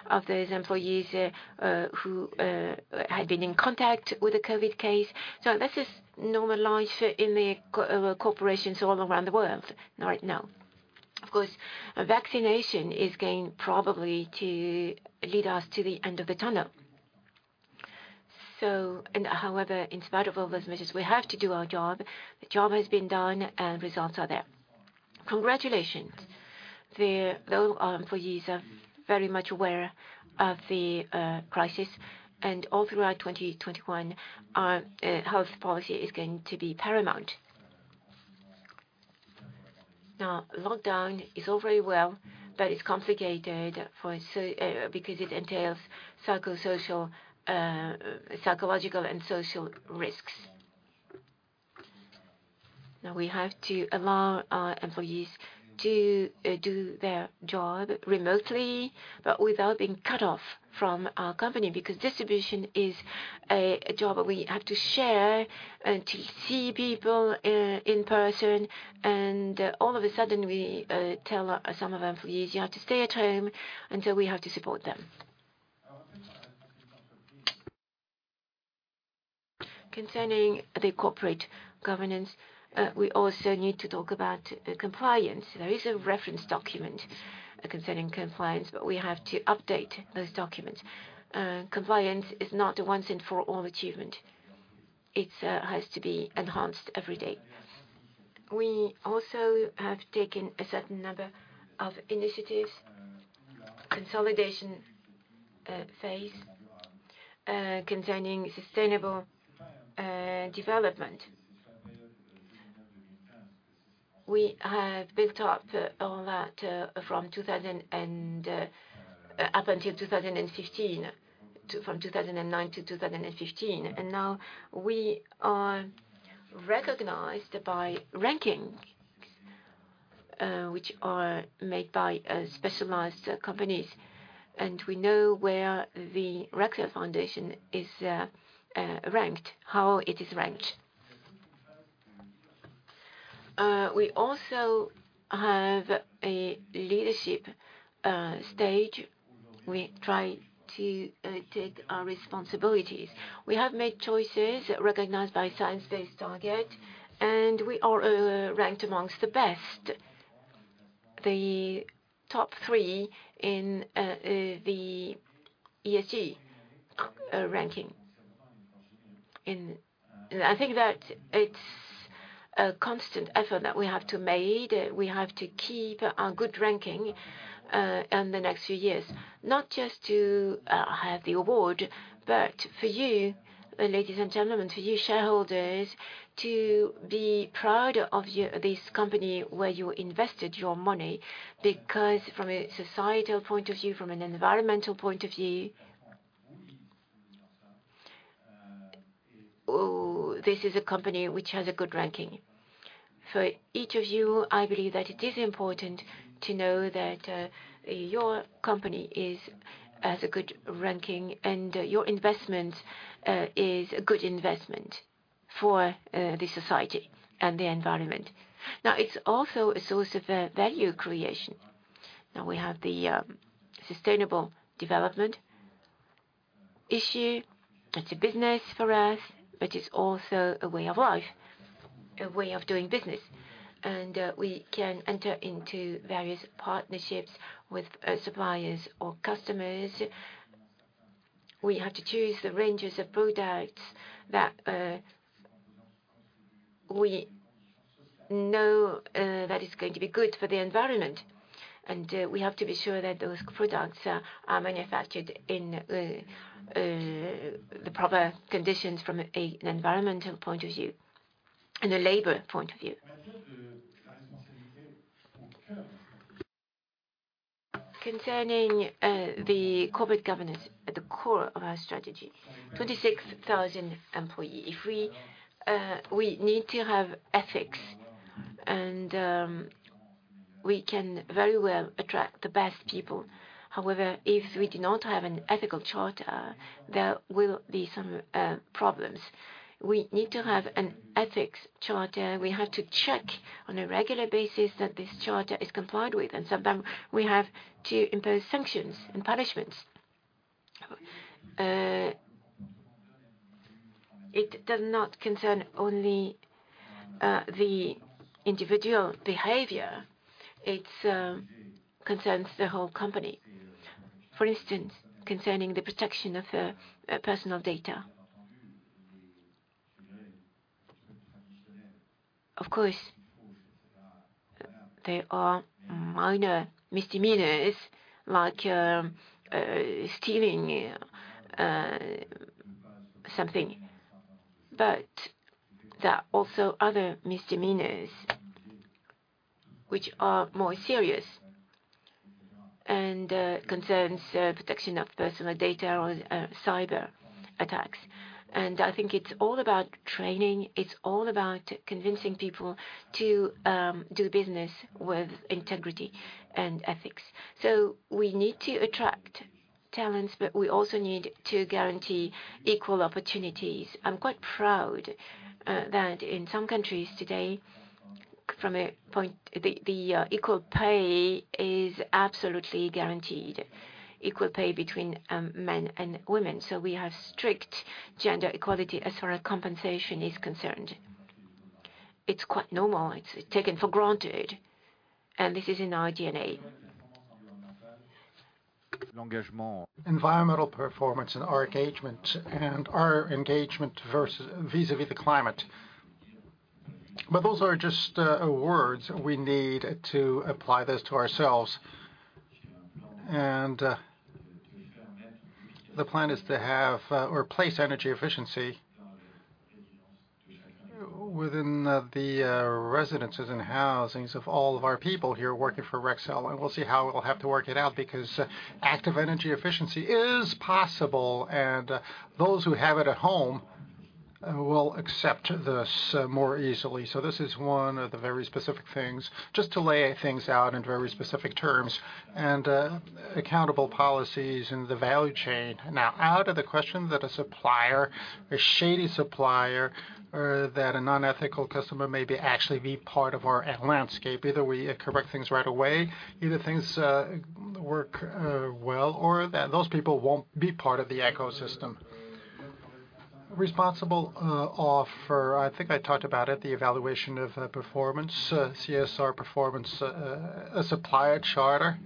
of those employees, who had been in contact with a COVID case. So this is normal life in the co- corporations all around the world right now. Of course, vaccination is going probably to lead us to the end of the tunnel. However, in spite of all those measures, we have to do our job. The job has been done and results are there. Congratulations. Our employees are very much aware of the crisis, and all throughout 2021, our health policy is going to be paramount. Now, lockdown is all very well, but it's complicated because it entails psychosocial, psychological and social risks. Now we have to allow our employees to do their job remotely, but without being cut off from our company, because distribution is a job that we have to share to see people in person. And all of a sudden, we tell some of our employees, "You have to stay at home," and so we have to support them. Concerning the corporate governance, we also need to talk about compliance. There is a reference document concerning compliance, but we have to update those documents. Compliance is not a once and for all achievement. It has to be enhanced every day. We also have taken a certain number of initiatives, consolidation phase concerning sustainable development. We have built up all that from 2009 to 2015, and now we are recognized by rankings which are made by specialized companies, and we know where the Rexel Foundation is ranked, how it is ranked. We also have a leadership stage. We try to take our responsibilities. We have made choices recognized by Science Based Targets, and we are ranked amongst the best, the top three in the ESG ranking. I think that it's a constant effort that we have to made. We have to keep our good ranking in the next few years, not just to have the award, but for you, ladies and gentlemen, for you shareholders, to be proud of this company, where you invested your money. Because from a societal point of view, from an environmental point of view, this is a company which has a good ranking. For each of you, I believe that it is important to know that your company has a good ranking, and your investment is a good investment for the society and the environment. Now, it's also a source of value creation. Now we have the sustainable development issue. It's a business for us, but it's also a way of life, a way of doing business. And we can enter into various partnerships with suppliers or customers. We have to choose the ranges of products that we know that is going to be good for the environment, and we have to be sure that those products are manufactured in the proper conditions from an environmental point of view and a labor point of view. Concerning the corporate governance at the core of our strategy, 26,000 employees. If we need to have ethics, and we can very well attract the best people. However, if we do not have an ethical charter, there will be some problems. We need to have an ethics charter. We have to check on a regular basis that this charter is complied with, and sometimes we have to impose sanctions and punishments. It does not concern only the individual behavior. It concerns the whole company, for instance, concerning the protection of personal data. Of course, there are minor misdemeanors, like stealing something, but there are also other misdemeanors which are more serious, and concerns protection of personal data or cyber attacks, and I think it's all about training. It's all about convincing people to do business with integrity and ethics, so we need to attract talents, but we also need to guarantee equal opportunities. I'm quite proud that in some countries today, from a point, the equal pay is absolutely guaranteed, equal pay between men and women. So we have strict gender equality as far as compensation is concerned. It's quite normal. It's taken for granted, and this is in our DNA. Environmental performance and our engagement, and our engagement vis-à-vis the climate. But those are just words. We need to apply this to ourselves. And the plan is to have or place energy efficiency within the residences and housings of all of our people here working for Rexel, and we'll see how we'll have to work it out, because active energy efficiency is possible, and those who have it at home will accept this more easily. So this is one of the very specific things, just to lay things out in very specific terms and accountable policies in the value chain. Now, out of the question that a supplier, a shady supplier, or that a non-ethical customer may actually be part of our landscape, either we correct things right away, either things work well, or that those people won't be part of the ecosystem. Responsible offer, I think I talked about it, the evaluation of performance, CSR performance, a supplier charter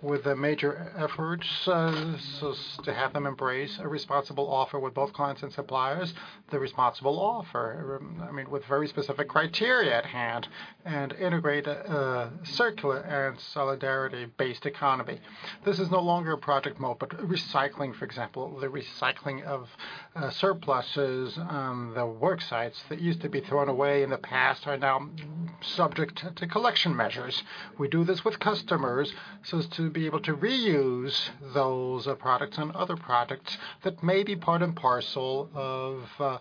with a major effort, so as to have them embrace a responsible offer with both clients and suppliers, the responsible offer, I mean, with very specific criteria at hand, and integrate a circular and solidarity-based economy. This is no longer a project mode, but recycling, for example, the recycling of surpluses, the work sites that used to be thrown away in the past are now subject to collection measures. We do this with customers, so as to be able to reuse those products and other products that may be part and parcel of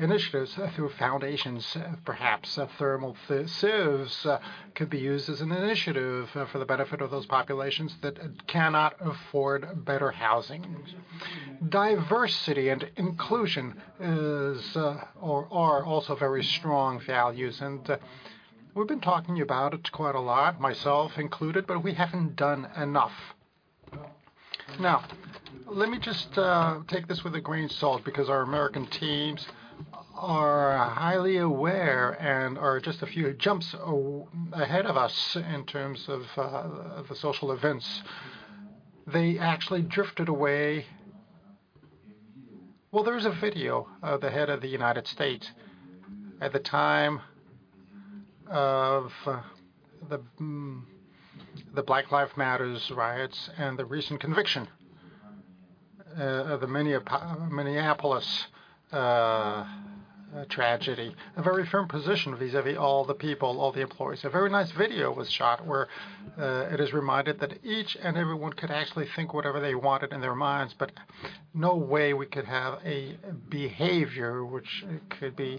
initiatives through foundations. Perhaps thermal sieves could be used as an initiative for the benefit of those populations that cannot afford better housing. Diversity and inclusion is or are also very strong values, and we've been talking about it quite a lot, myself included, but we haven't done enough. Now, let me just take this with a grain of salt, because our American teams are highly aware and are just a few jumps ahead of us in terms of the social events. They actually drifted away. Well, there is a video of the head of the United States at the time of the Black Lives Matter riots and the recent conviction of the Minneapolis tragedy. A very firm position vis-a-vis all the people, all the employees. A very nice video was shot, where, it is reminded that each and everyone could actually think whatever they wanted in their minds, but no way we could have a behavior which could be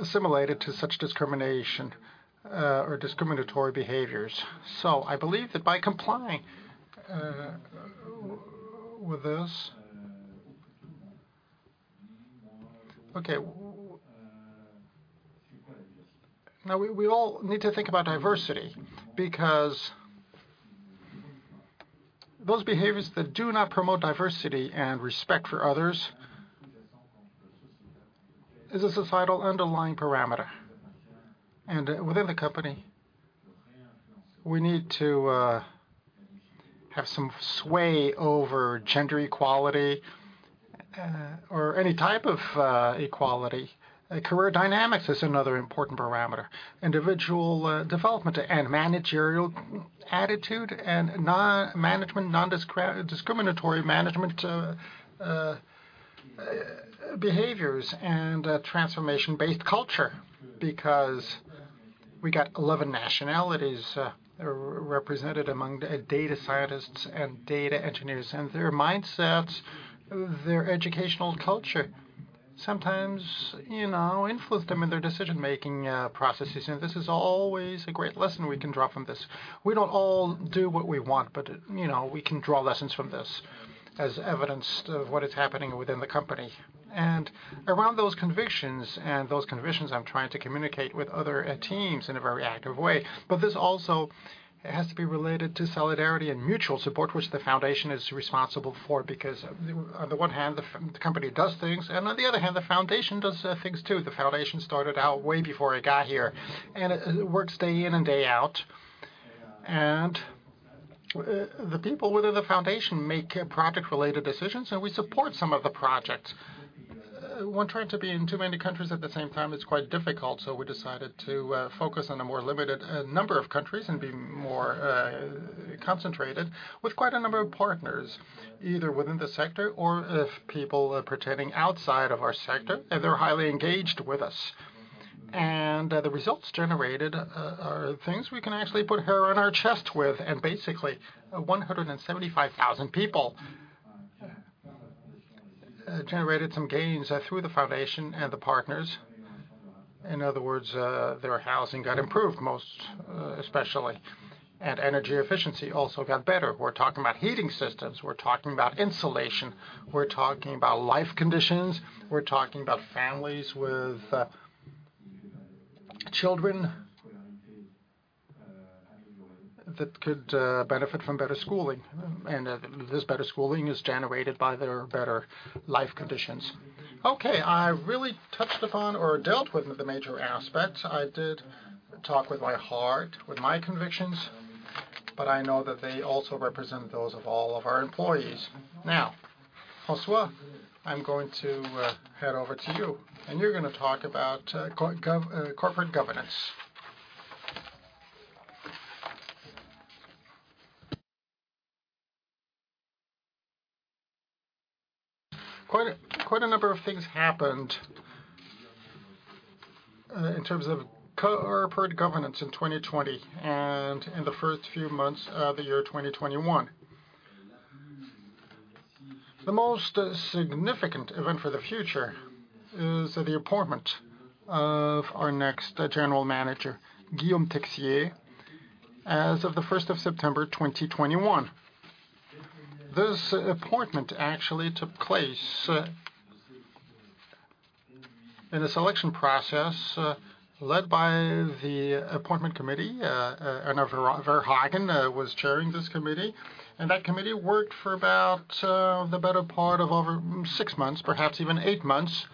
assimilated to such discrimination, or discriminatory behaviors. So I believe that by complying, with this. Okay, now we all need to think about diversity, because those behaviors that do not promote diversity and respect for others is a societal underlying parameter. Within the company, we need to have some sway over gender equality, or any type of equality. Career dynamics is another important parameter. Individual development and managerial attitude and non-management, non-discriminatory management behaviors and transformation-based culture, because we got 11 nationalities represented among the data scientists and data engineers, and their mindsets, their educational culture sometimes, you know, influence them in their decision-making processes. And this is always a great lesson we can draw from this. We don't all do what we want, but, you know, we can draw lessons from this as evidenced of what is happening within the company. And around those convictions, and those convictions I'm trying to communicate with other teams in a very active way. But this also has to be related to solidarity and mutual support, which the foundation is responsible for, because on the one hand, the company does things, and on the other hand, the foundation does things too. The foundation started out way before I got here, and it works day in and day out. The people within the foundation make project-related decisions, and we support some of the projects. When trying to be in too many countries at the same time, it's quite difficult, so we decided to focus on a more limited number of countries and be more concentrated with quite a number of partners, either within the sector or if people are pertaining outside of our sector, and they're highly engaged with us. And the results generated are things we can actually put hair on our chest with. And basically, 175,000 people generated some gains through the foundation and the partners. In other words, their housing got improved, most especially, and energy efficiency also got better. We're talking about heating systems, we're talking about insulation, we're talking about life conditions, we're talking about families with children that could benefit from better schooling, and this better schooling is generated by their better life conditions. Okay, I really touched upon or dealt with the major aspects. I did talk with my heart, with my convictions, but I know that they also represent those of all of our employees. Now, François, I'm going to hand over to you, and you're gonna talk about corporate governance. Quite a number of things happened in terms of corporate governance in 2020 and in the first few months of the year 2021. The most significant event for the future is the appointment of our next general manager, Guillaume Texier, as of the first of September 2021. This appointment actually took place in a selection process led by the appointment committee. Herna Verhagen was chairing this committee. That committee worked for about the better part of over six months, perhaps even eight months.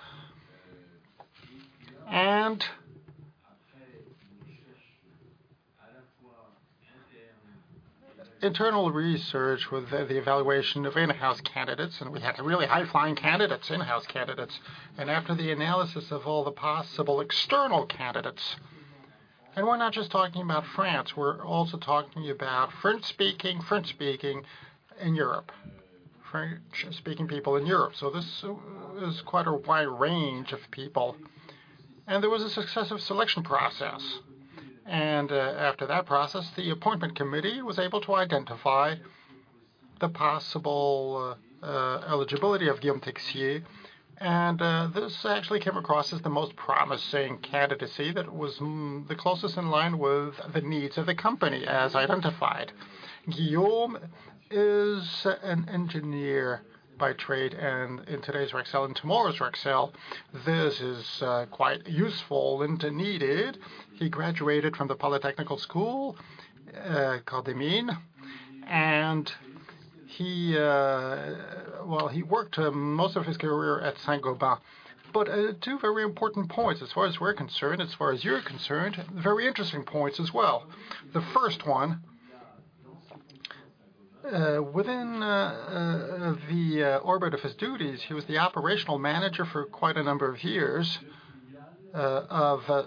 Internal research with the evaluation of in-house candidates, and we had really high-flying candidates, in-house candidates, and after the analysis of all the possible external candidates. We're not just talking about France, we're also talking about French speaking in Europe, French-speaking people in Europe. So this is quite a wide range of people. There was a successive selection process, and after that process, the appointment committee was able to identify the possible eligibility of Guillaume Texier. This actually came across as the most promising candidacy that was the closest in line with the needs of the company, as identified. Guillaume is an engineer by trade, and in today's Rexel and tomorrow's Rexel, this is quite useful and needed. He graduated from the École Polytechnique, Corps des Mines, and, well, he worked most of his career at Saint-Gobain. But, two very important points as far as we're concerned, as far as you're concerned, very interesting points as well. The first one, within the orbit of his duties, he was the operational manager for quite a number of years of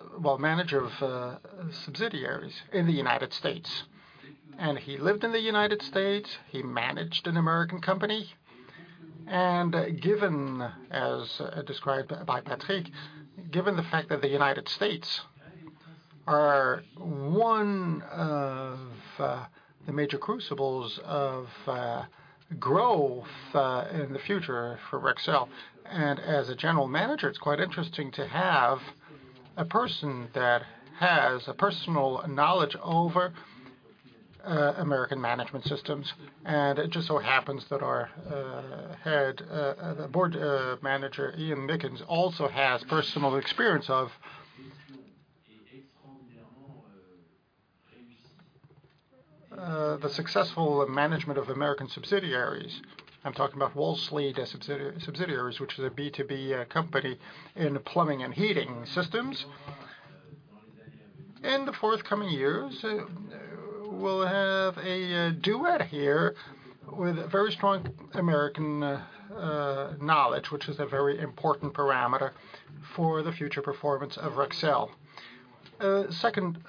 subsidiaries in the United States. He lived in the United States, he managed an American company, and given, as, described by Patrick, given the fact that the United States are one of, the major crucibles of, growth, in the future for Rexel, and as a general manager, it's quite interesting to have a person that has a personal knowledge over, American management systems. And it just so happens that our, head, the board, manager, Ian Meakins, also has personal experience of, the successful management of American subsidiaries. I'm talking about Wolseley, a subsidiary, which is a B2B, company in plumbing and heating systems. In the forthcoming years, we'll have a, duet here with very strong American, knowledge, which is a very important parameter for the future performance of Rexel. Second,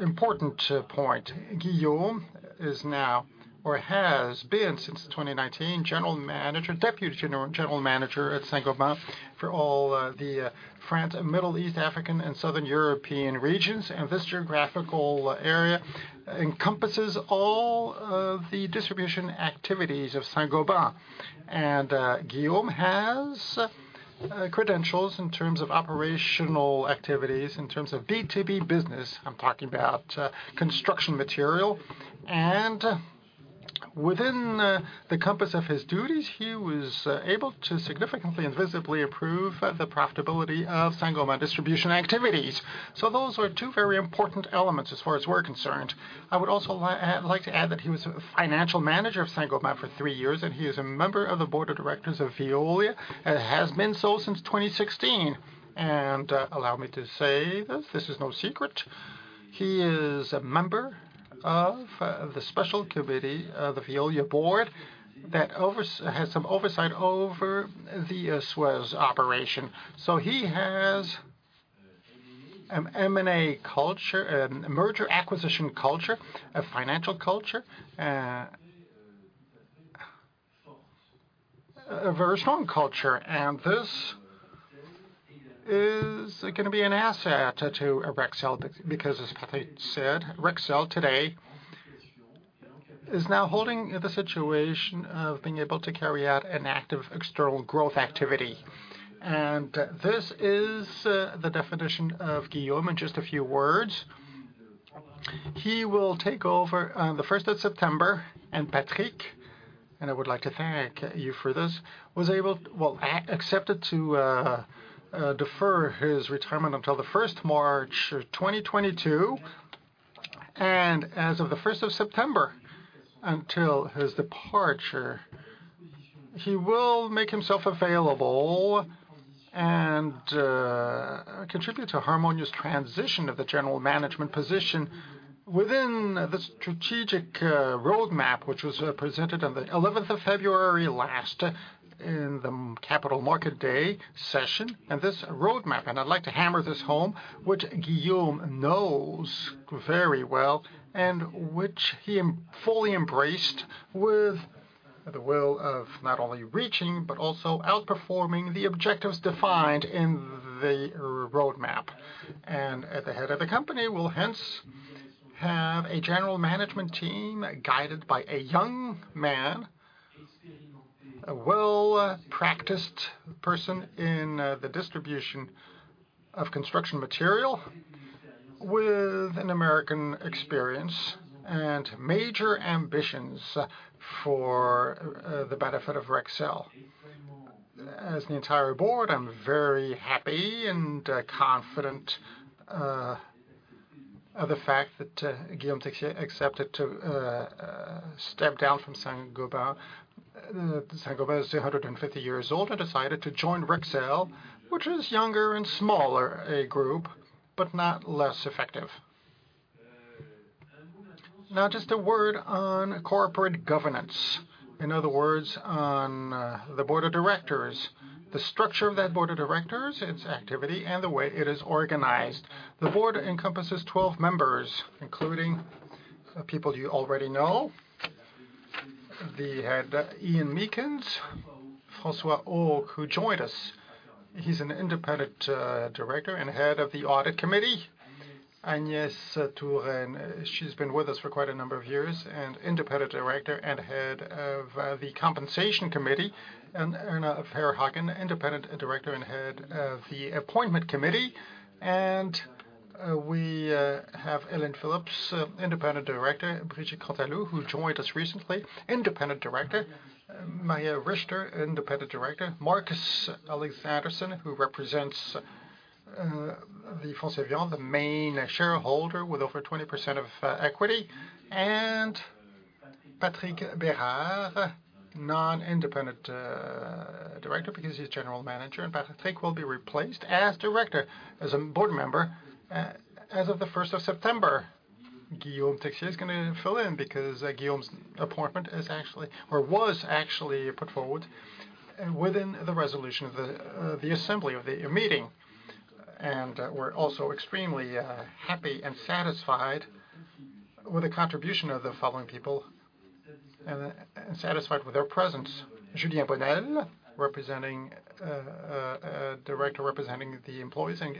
important point, Guillaume is now or has been since twenty nineteen, General Manager, Deputy General, General Manager at Saint-Gobain for all, the, France, Middle East, African, and Southern European regions. And this geographical area encompasses all of the distribution activities of Saint-Gobain. And, Guillaume has, credentials in terms of operational activities, in terms of B2B business. I'm talking about, construction material. And within, the compass of his duties, he was, able to significantly and visibly improve, the profitability of Saint-Gobain distribution activities. So those are two very important elements as far as we're concerned. I would also like to add that he was a Financial Manager of Saint-Gobain for three years, and he is a member of the board of directors of Veolia, and has been so since twenty sixteen. Allow me to say this. This is no secret. He is a member of the special committee of the Veolia board that has some oversight over the Suez operation. He has an M&A culture, a merger acquisition culture, a financial culture. A very strong culture, and this is gonna be an asset to Rexel, because as Patrick said, Rexel today is now holding the situation of being able to carry out an active external growth activity. This is the definition of Guillaume in just a few words. He will take over on the 1st of September, and Patrick and I would like to thank you for this, was able to accept to defer his retirement until the 1st March 2022. As of the 1st of September, until his departure, he will make himself available and contribute to a harmonious transition of the general management position within the strategic roadmap, which was presented on the 11th of February last, in the Capital Market Day session. This roadmap, and I'd like to hammer this home, which Guillaume knows very well, and which he fully embraced with the will of not only reaching but also outperforming the objectives defined in the roadmap. At the head of the company will hence have a general management team guided by a young man, a well-practiced person in the distribution of construction material, with an American experience and major ambitions for the benefit of Rexel. As the entire board, I'm very happy and confident of the fact that Guillaume Texier accepted to step down from Saint-Gobain. Saint-Gobain is 150 years old and decided to join Rexel, which is younger and smaller a group, but not less effective. Now, just a word on corporate governance, in other words, on the board of directors. The structure of that board of directors, its activity, and the way it is organized. The board encompasses 12 members, including people you already know. The head, Ian Meakins, François Auque, who joined us. He's an independent director and head of the audit committee. Agnès Touraine, she's been with us for quite a number of years, and independent director and head of the compensation committee. Herna Verhagen, independent director and head of the appointment committee. We have Elen Phillips, independent director, Brigitte Cantaloube, who joined us recently, independent director. Maria Richter, independent director, Marcus Alexanderson, who represents the Cevian Capital, the main shareholder with over 20% of equity. Patrick Bérard, non-independent director, because he's general manager. Patrick will be replaced as director, as a board member, as of the 1st of September. Guillaume Texier is gonna fill in, because Guillaume's appointment is actually or was actually put forward within the resolution of the assembly of the meeting. We're also extremely happy and satisfied with the contribution of the following people and satisfied with their presence. Julien Bonnel, director representing the employees, and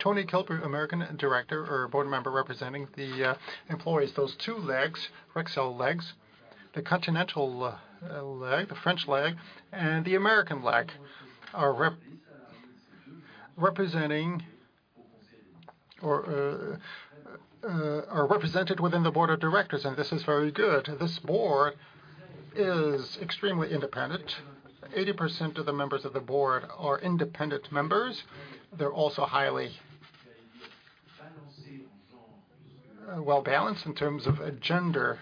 Toni Kallas, American director or board member representing the employees. Those two legs, Rexel legs, the continental leg, the French leg, and the American leg, are represented within the board of directors, and this is very good. This board is extremely independent. 80% of the members of the board are independent members. They're also highly well balanced in terms of gender,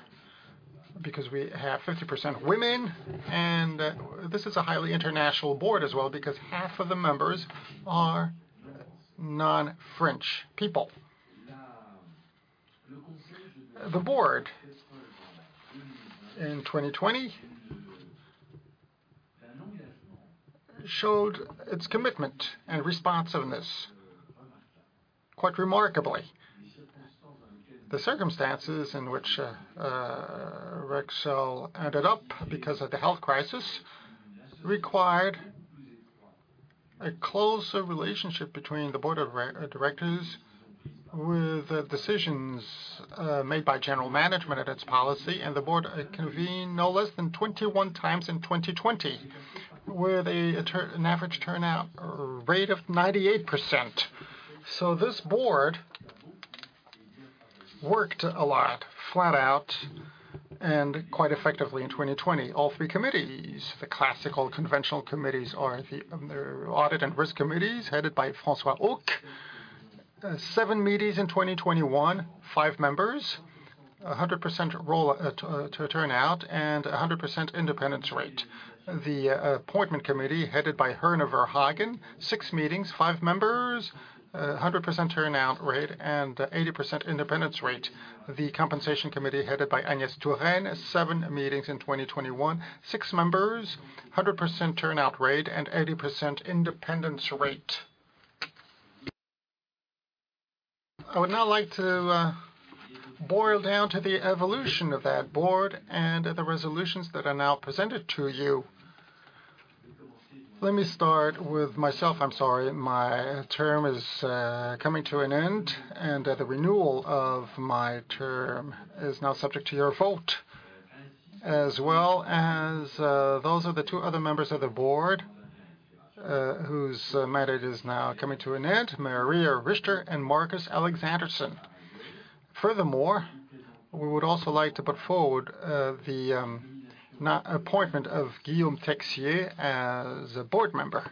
because we have 50% women, and this is a highly international board as well, because half of the members are non-French people. The board, in 2020, showed its commitment and responsiveness, quite remarkably. The circumstances in which Rexel ended up because of the health crisis required a closer relationship between the board of directors and the decisions made by general management and its policy, and the board convened no less than 21 times in 2020, with an average turnout rate of 98%. So this board worked a lot, flat out, and quite effectively in 2020. All three committees, the classical conventional committees, are the audit and risk committees, headed by François Auque. Seven meetings in 2021, five members, a 100% role to turnout and a 100% independence rate. The appointment committee, headed by Herna Verhagen, six meetings, five members, 100% turnout rate, and 80% independence rate. The compensation committee, headed by Agnès Touraine, seven meetings in 2021, six members, 100% turnout rate, and 80% independence rate. I would now like to boil down to the evolution of that board and the resolutions that are now presented to you. Let me start with myself. I'm sorry, my term is coming to an end, and that the renewal of my term is now subject to your vote, as well as those are the two other members of the board whose mandate is now coming to an end, Maria Richter and Marcus Alexanderson. Furthermore, we would also like to put forward the appointment of Guillaume Texier as a board member,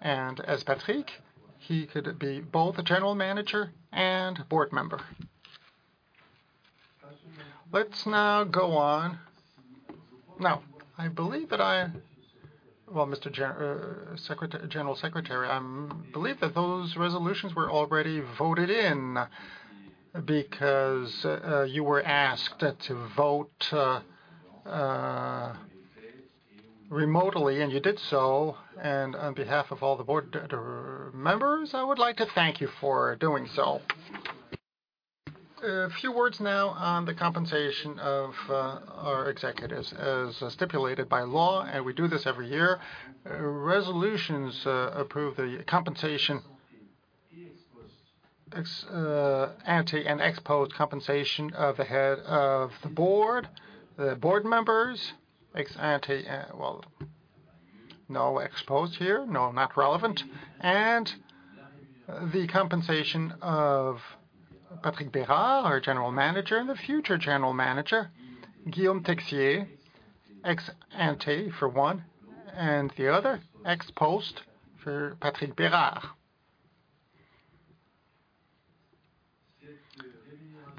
and as Patrick, he could be both a general manager and board member. Let's now go on. Now, I believe that I. Well, Mr. Chair, Secretary, General Secretary, I believe that those resolutions were already voted in, because you were asked to vote remotely, and you did so. And on behalf of all the board members, I would like to thank you for doing so. A few words now on the compensation of our executives. As stipulated by law, and we do this every year, resolutions approve the compensation, ex ante and ex post compensation of the head of the board, the board members, ex ante, well, no ex post here, no, not relevant, and the compensation of Patrick Bérard, our general manager, and the future general manager, Guillaume Texier, ex ante for one, and the other ex post for Patrick Bérard.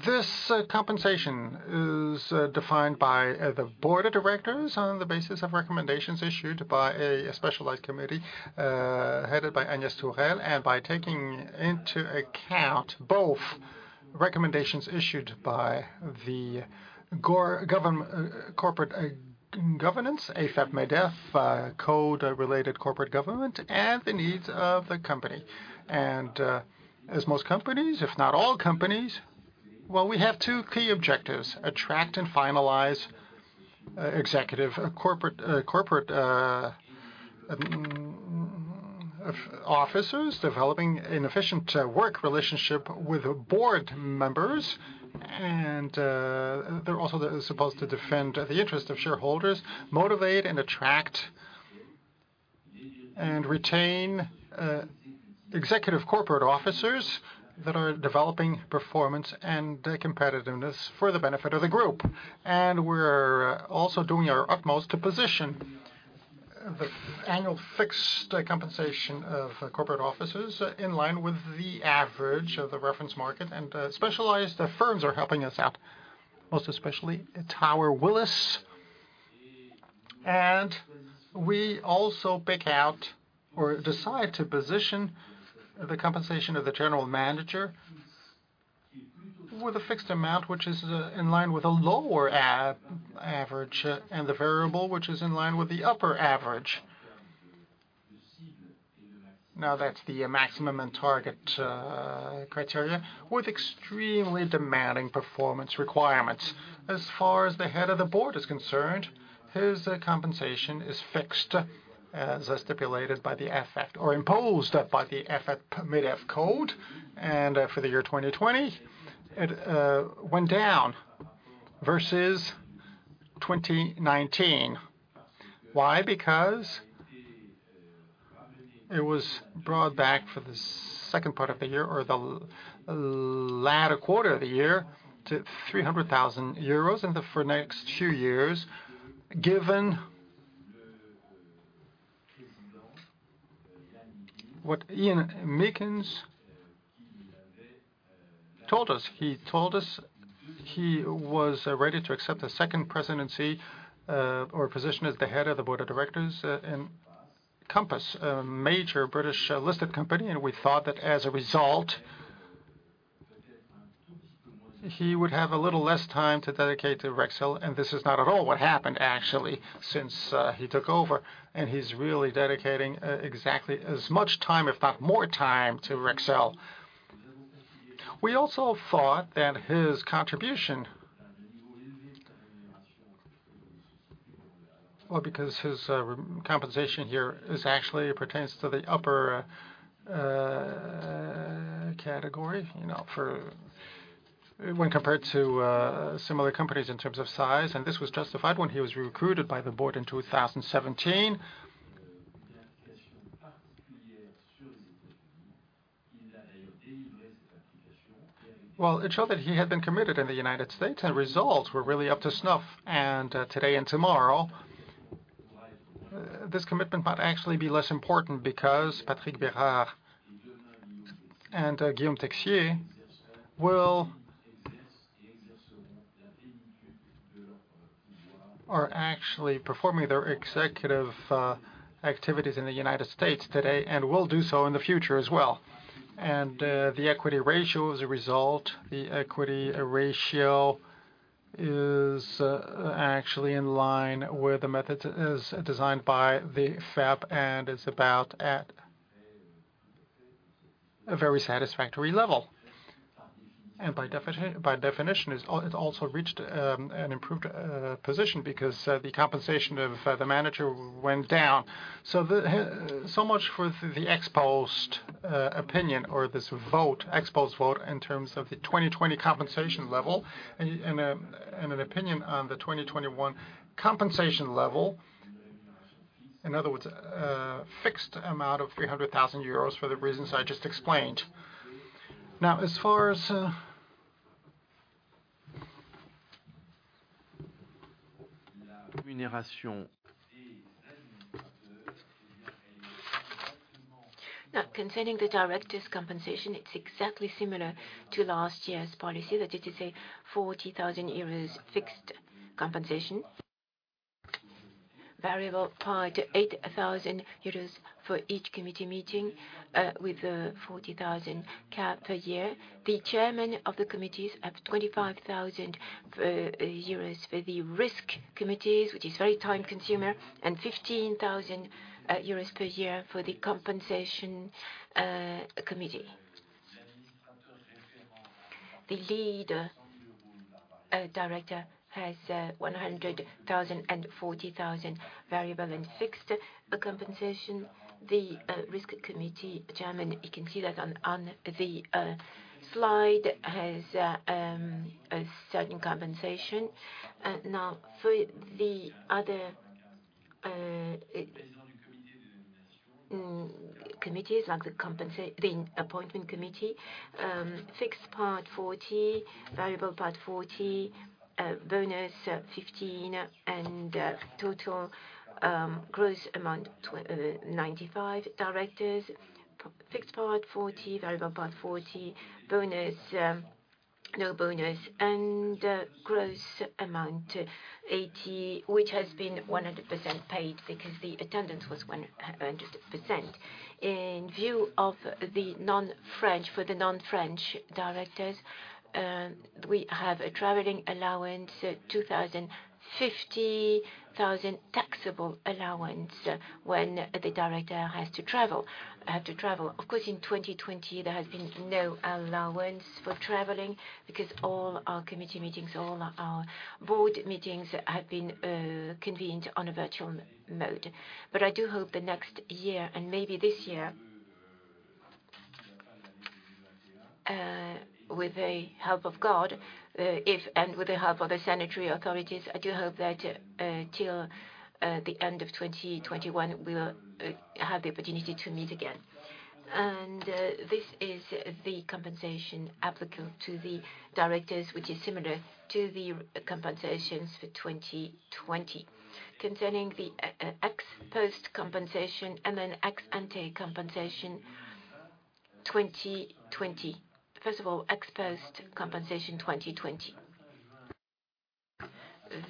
This compensation is defined by the board of directors on the basis of recommendations issued by a specialized committee headed by Agnès Touraine, and by taking into account both recommendations issued by the corporate governance AFEP-MEDEF code-related corporate governance, and the needs of the company. As most companies, if not all companies, well, we have two key objectives: attract and retain executive corporate officers, developing an efficient work relationship with the board members. They are also supposed to defend the interest of shareholders, motivate and attract and retain executive corporate officers that are developing performance and competitiveness for the benefit of the group. And we're also doing our utmost to position the annual fixed compensation of corporate officers in line with the average of the reference market, and, specialized firms are helping us out, most especially Willis Towers Watson. And we also pick out or decide to position the compensation of the general manager with a fixed amount, which is, in line with a lower average, and the variable, which is in line with the upper average. Now, that's the maximum and target, criteria with extremely demanding performance requirements. As far as the head of the board is concerned, his compensation is fixed, as stipulated by the AFEP or imposed by the AFEP-MEDEF Code, and, for the year twenty twenty, it went down versus twenty nineteen. Why? Because it was brought back for the second part of the year or the latter quarter of the year to 300,000 euros, and for the next two years, given what Ian Meakins told us. He told us he was ready to accept the second presidency, or position as the head of the board of directors, in Compass, a major British listed company, and we thought that as a result, he would have a little less time to dedicate to Rexel, and this is not at all what happened, actually, since he took over, and he's really dedicating exactly as much time, if not more time, to Rexel. We also thought that his contribution... Because his compensation here is actually pertains to the upper category, you know, for when compared to similar companies in terms of size, and this was justified when he was recruited by the board in 2017. It showed that he had been committed in the United States, and results were really up to snuff. Today and tomorrow this commitment might actually be less important because Patrick Bérard and Guillaume Texier are actually performing their executive activities in the United States today, and will do so in the future as well. The equity ratio is actually in line where the method is designed by the AFEP, and is about at a very satisfactory level. By definition, it also reached an improved position because the compensation of the manager went down. So much for the ex-post opinion or this vote, ex-post vote, in terms of the 2020 compensation level, and an opinion on the 2021 compensation level. In other words, a fixed amount of 300,000 euros for the reasons I just explained. Now, as far as... Now, concerning the director's compensation, it's exactly similar to last year's policy, that is to say, 40,000 euros fixed compensation. Variable part, 8,000 euros for each committee meeting, with a 40,000 cap per year. The chairman of the committees have 25,000 euros for the risk committees, which is very time-consuming, and 15,000 euros per year for the compensation committee. The lead director has 100,000 and 40,000 variable and fixed compensation. The risk committee chairman, you can see that on the slide, has a certain compensation. Now, for the other committees, like the appointment committee, fixed part 40, variable part 40, bonus 15, and total gross amount 95. Directors, fixed part 40, variable part 40, bonus, no bonus, and gross amount 80, which has been 100% paid, because the attendance was 100%. In view of the non-French, for the non-French directors, we have a traveling allowance, twenty thousand taxable allowance when the director has to travel. Of course, in 2020, there has been no allowance for traveling, because all our committee meetings, all our board meetings, have been convened on a virtual mode. But I do hope the next year, and maybe this year, with the help of God, if and with the help of the sanitary authorities, I do hope that, till the end of 2021, we will have the opportunity to meet again. This is the compensation applicable to the directors, which is similar to the compensations for 2020. Concerning the ex-post compensation and an ex-ante compensation 2020. First of all, ex-post compensation, 2020.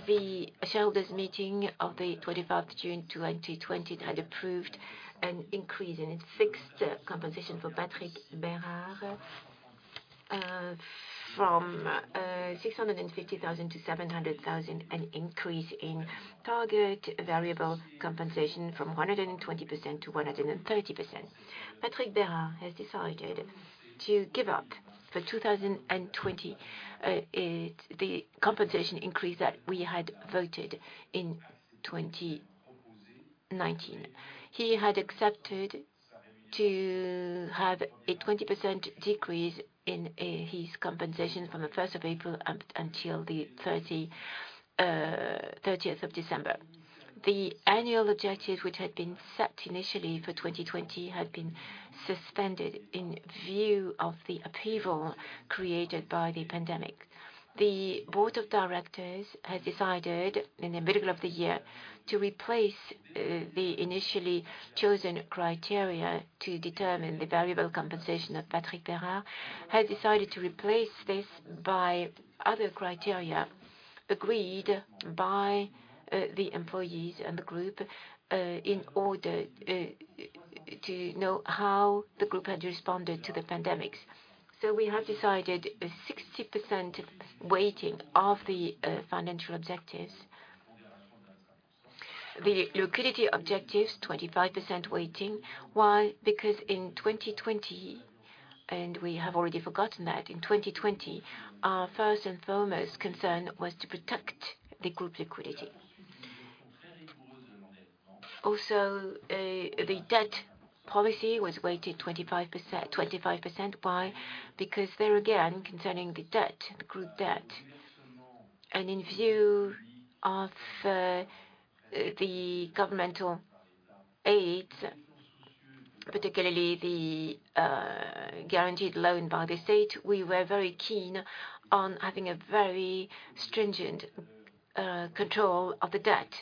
The shareholders' meeting of the 25th June 2020 had approved an increase in its fixed compensation for Patrick Bérard from 650,000 to 700,000, an increase in target variable compensation from 120% to 130%. Patrick Bérard has decided to give up, for 2020, the compensation increase that we had voted in 2019. He had accepted to have a 20% decrease in his compensation from the first of April up until the thirtieth of December. The annual objectives, which had been set initially for 2020, had been suspended in view of the upheaval created by the pandemic. The board of directors has decided, in the middle of the year, to replace the initially chosen criteria to determine the variable compensation of Patrick Bérard, has decided to replace this by other criteria agreed by the employees and the group in order to know how the group had responded to the pandemics. So we have decided a 60% weighting of the financial objectives. The liquidity objectives, 25% weighting. Why? Because in 2020, and we have already forgotten that, in 2020, our first and foremost concern was to protect the group liquidity. Also, the debt policy was weighted 25%, 25%. Why? Because, there again, concerning the debt, group debt, and in view of the governmental aid, particularly the guaranteed loan by the state, we were very keen on having a very stringent control of the debt,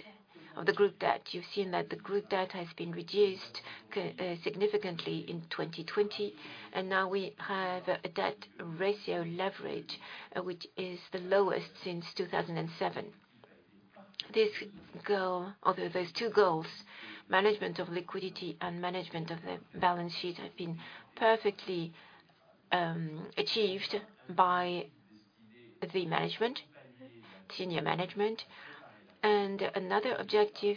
of the group debt. You've seen that the group debt has been reduced significantly in 2020, and now we have a debt ratio leverage, which is the lowest since 2007. This goal, although there's two goals, management of liquidity and management of the balance sheet, have been perfectly achieved by the management, senior management, and another objective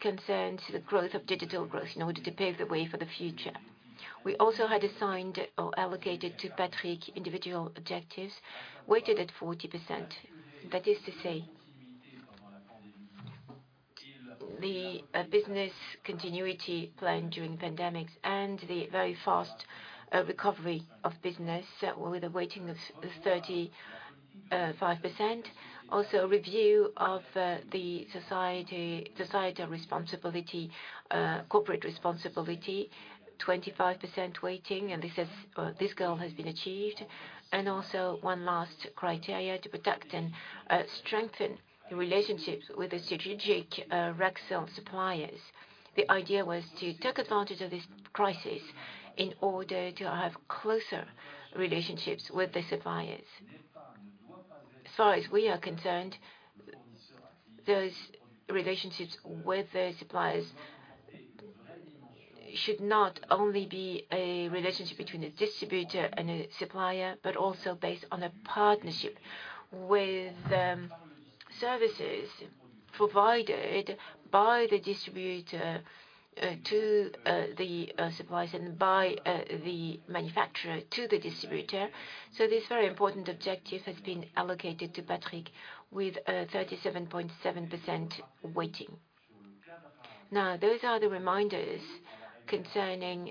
concerns the growth of digital growth in order to pave the way for the future. We also had assigned or allocated to Patrick individual objectives, weighted at 40%. That is to say, the business continuity plan during pandemics and the very fast recovery of business, with a weighting of 35%. Also, a review of the societal responsibility, corporate responsibility, 25% weighting, and this is this goal has been achieved. And also one last criteria, to protect and strengthen the relationships with the strategic Rexel suppliers. The idea was to take advantage of this crisis in order to have closer relationships with the suppliers. As far as we are concerned, those relationships with the suppliers should not only be a relationship between a distributor and a supplier, but also based on a partnership with services provided by the distributor to the suppliers and by the manufacturer to the distributor. This very important objective has been allocated to Patrick with 37.7% weighting. Now, those are the reminders concerning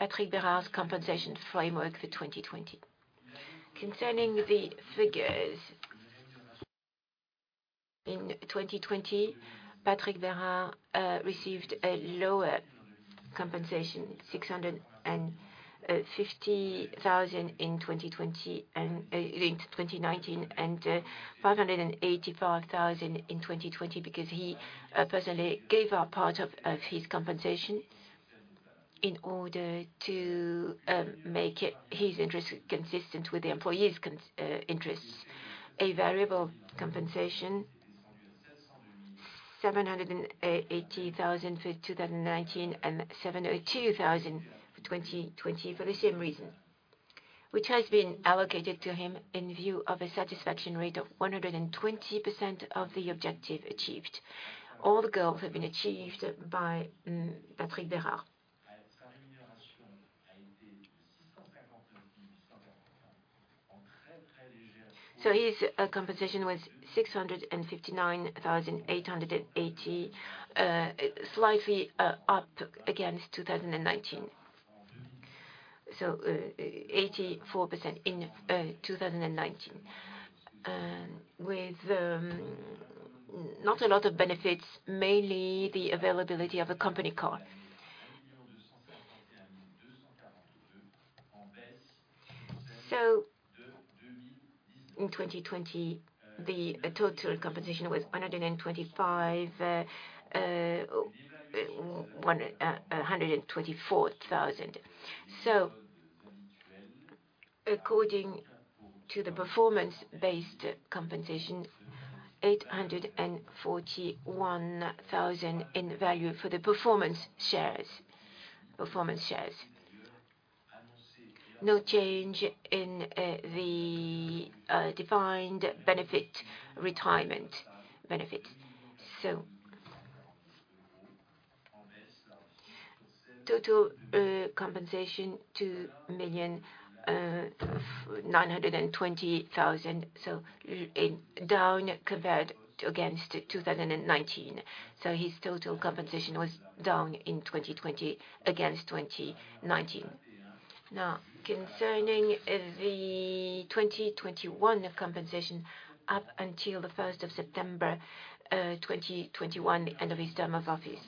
Patrick Bérard's compensation framework for 2020. Concerning the figures, in 2020, Patrick Bérard received a lower compensation, 650,000 in 2020 and in 2019, and 585,000 in 2020, because he personally gave up part of his compensation in order to make his interests consistent with the employees' interests. A variable compensation, 780,000 for 2019, and 702,000 for 2020, for the same reason, which has been allocated to him in view of a satisfaction rate of 120% of the objective achieved. All the goals have been achieved by Patrick Bérard, so his compensation was 659,880, slightly up against 2019, so 84% in 2019, and with not a lot of benefits, mainly the availability of a company car, so in 2020, the total compensation was EUR 124,000. So according to the performance-based compensation, 841,000 in value for the performance shares. No change in the defined benefit retirement benefits, so total compensation 2,920,000, so down compared against 2019. So his total compensation was down in 2020 against 2019. Now, concerning the 2021 compensation, up until the first of September 2021, the end of his term of office.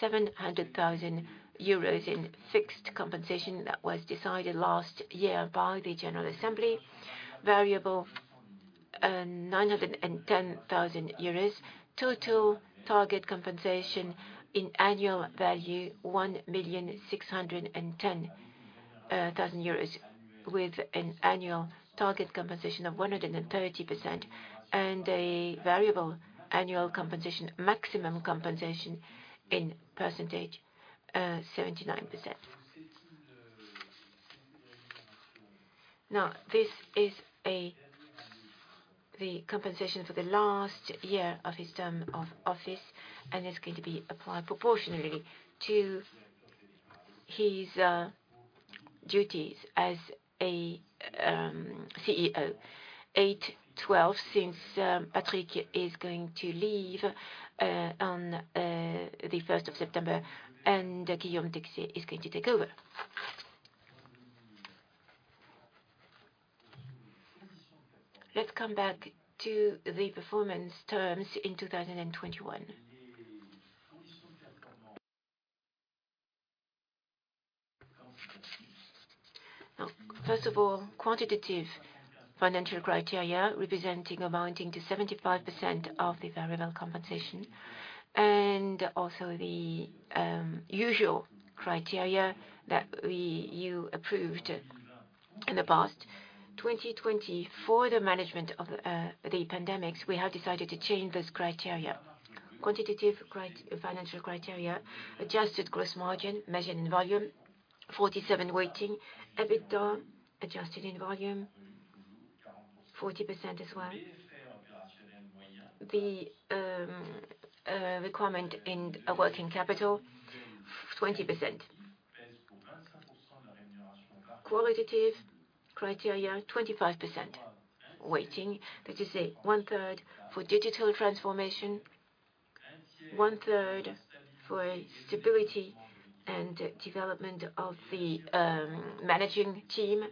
700,000 euros in fixed compensation that was decided last year by the general assembly. Variable 910,000 euros. Total target compensation in annual value, 1,610,000 euros, with an annual target compensation of 130%, and a variable annual compensation, maximum compensation, in percentage, 79%. Now, this is the compensation for the last year of his term of office, and it's going to be applied proportionally to his duties as a CEO. 8/12, since Patrick is going to leave on the first of September, and Guillaume Texier is going to take over. Let's come back to the performance terms in 2021. Now, first of all, quantitative financial criteria representing amounting to 75% of the variable compensation... and also the usual criteria that we, you approved in the past. 2020, for the management of the pandemics, we have decided to change this criteria. Quantitative financial criteria, adjusted gross margin, measured in volume, 47% weighting. EBITDA, adjusted in volume, 40% as well. The requirement in a working capital, 20%. Qualitative criteria, 25% weighting. That is a one-third for digital transformation, one-third for stability and development of the managing team,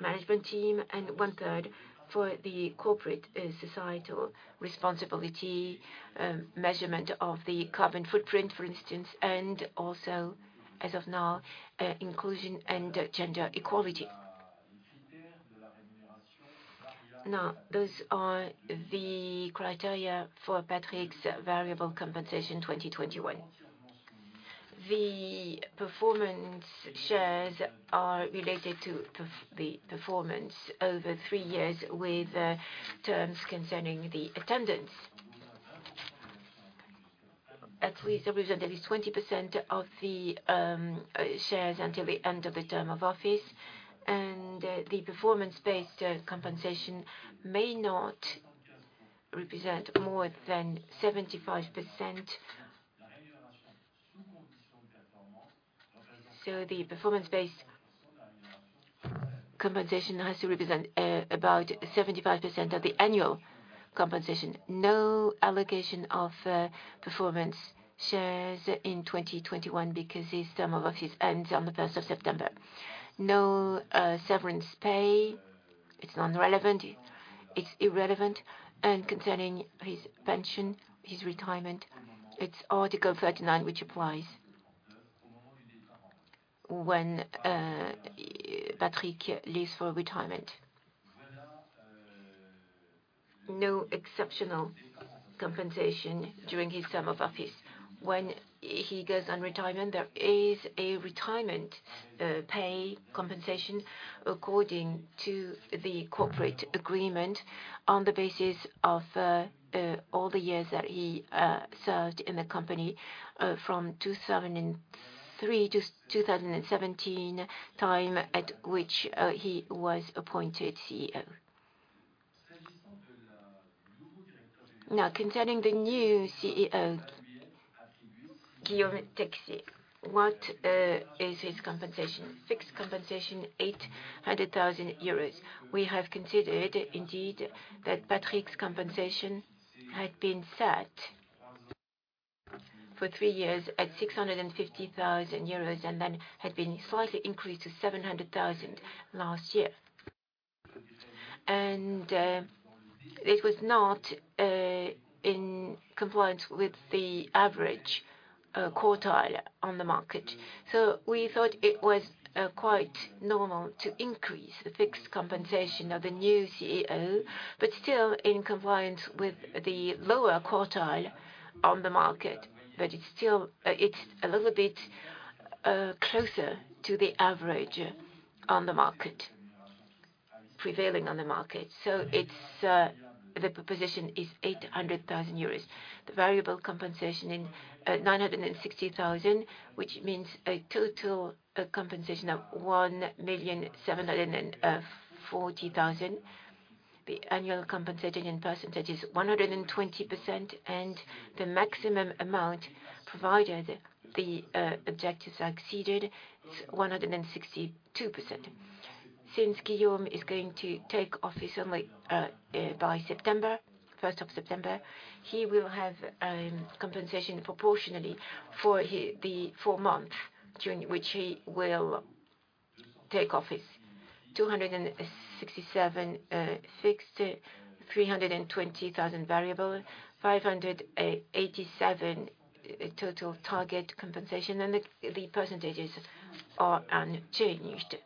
management team, and one-third for the corporate societal responsibility, measurement of the carbon footprint, for instance, and also, as of now, inclusion and gender equality. Now, those are the criteria for Patrick's variable compensation, 2021. The performance shares are related to the performance over three years with terms concerning the attendance. At least represent at least 20% of the shares until the end of the term of office, and the performance-based compensation may not represent more than 75%. So the performance-based compensation has to represent about 75% of the annual compensation. No allocation of performance shares in 2021 because his term of office ends on the first of September. No severance pay, it's non-relevant, it's irrelevant, and concerning his pension, his retirement, it's Article 39 which applies. When Patrick leaves for retirement, no exceptional compensation during his term of office. When he goes on retirement, there is a retirement, pay compensation according to the corporate agreement on the basis of all the years that he served in the company, from 2003 to 2017, time at which he was appointed CEO. Now, concerning the new CEO, Guillaume Texier, what is his compensation? Fixed compensation, 800,000 euros. We have considered indeed, that Patrick's compensation had been set for three years at 650,000 euros, and then had been slightly increased to 700,000 last year. And, it was not in compliance with the average quartile on the market. So we thought it was quite normal to increase the fixed compensation of the new CEO, but still in compliance with the lower quartile on the market. But it's still, it's a little bit, closer to the average on the market, prevailing on the market. So it's, the position is 800,000 euros. The variable compensation in, 960,000, which means a total, compensation of 1,740,000. The annual compensation in percentage is 120%, and the maximum amount provided the, objectives are exceeded, is 162%. Since Guillaume is going to take office only, by September, first of September, he will have, compensation proportionally for the four months during which he will take office. 267,000 fixed, 320,000 variable, 587,000 total target compensation, and the percentages are unchanged.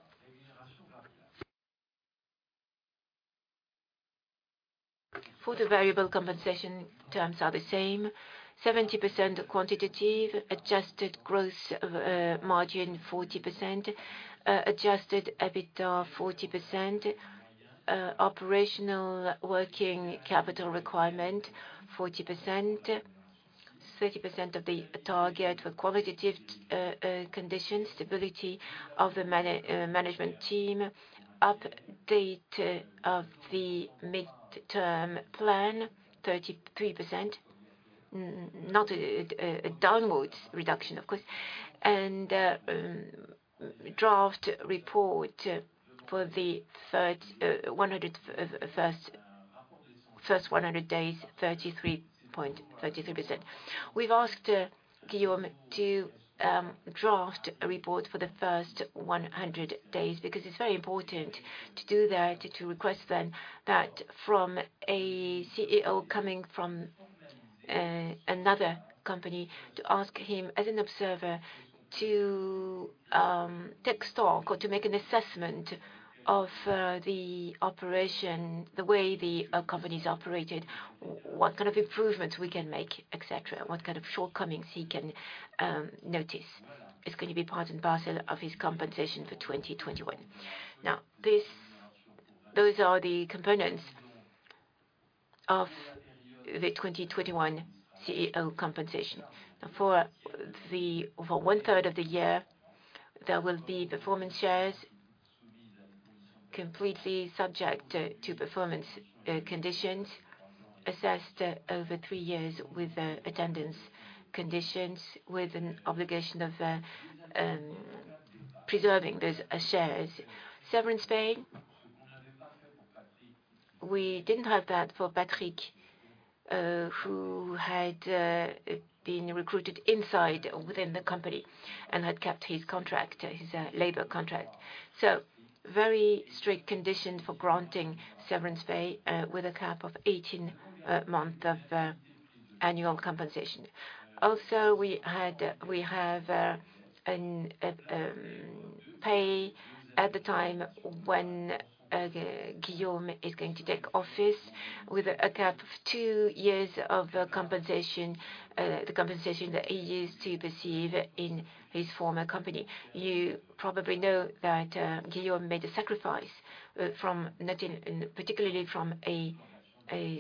For the variable compensation, terms are the same. 70% quantitative, adjusted gross margin, 40% adjusted EBITDA, 40% operational working capital requirement, 40%, 30% of the target for qualitative conditions, stability of the management team. Update of the midterm plan, 33%, not a downwards reduction, of course. And draft report for the third, first one hundred days, 33.33%. We've asked Guillaume to draft a report for the first one hundred days, because it's very important to do that, to request then that from a CEO coming from another company, to ask him as an observer, to. Take stock or to make an assessment of the operation, the way the company's operated, what kind of improvements we can make, et cetera, what kind of shortcomings he can notice. It's gonna be part and parcel of his compensation for 2021. Now, this, those are the components of the 2021 CEO compensation. For the, for one-third of the year, there will be performance shares completely subject to, to performance conditions, assessed over three years with attendance conditions, with an obligation of preserving those shares. Severance pay, we didn't have that for Patrick, who had been recruited inside, within the company, and had kept his contract, his labor contract. So very strict conditions for granting severance pay, with a cap of 18 months of annual compensation. Also, we had, we have an upfront pay at the time when Guillaume is going to take office, with a cap of two years of compensation, the compensation that he used to receive in his former company. You probably know that Guillaume made a sacrifice, particularly from a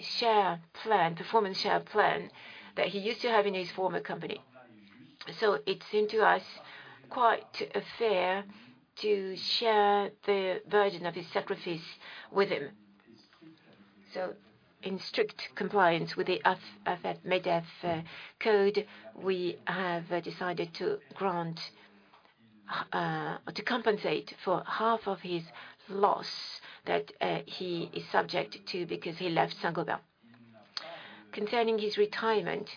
share plan, performance share plan that he used to have in his former company. So it seemed to us quite fair to share the burden of his sacrifice with him. So in strict compliance with the AFEP-MEDEF Code, we have decided to grant or to compensate for half of his loss that he is subject to because he left Saint-Gobain. Concerning his retirement,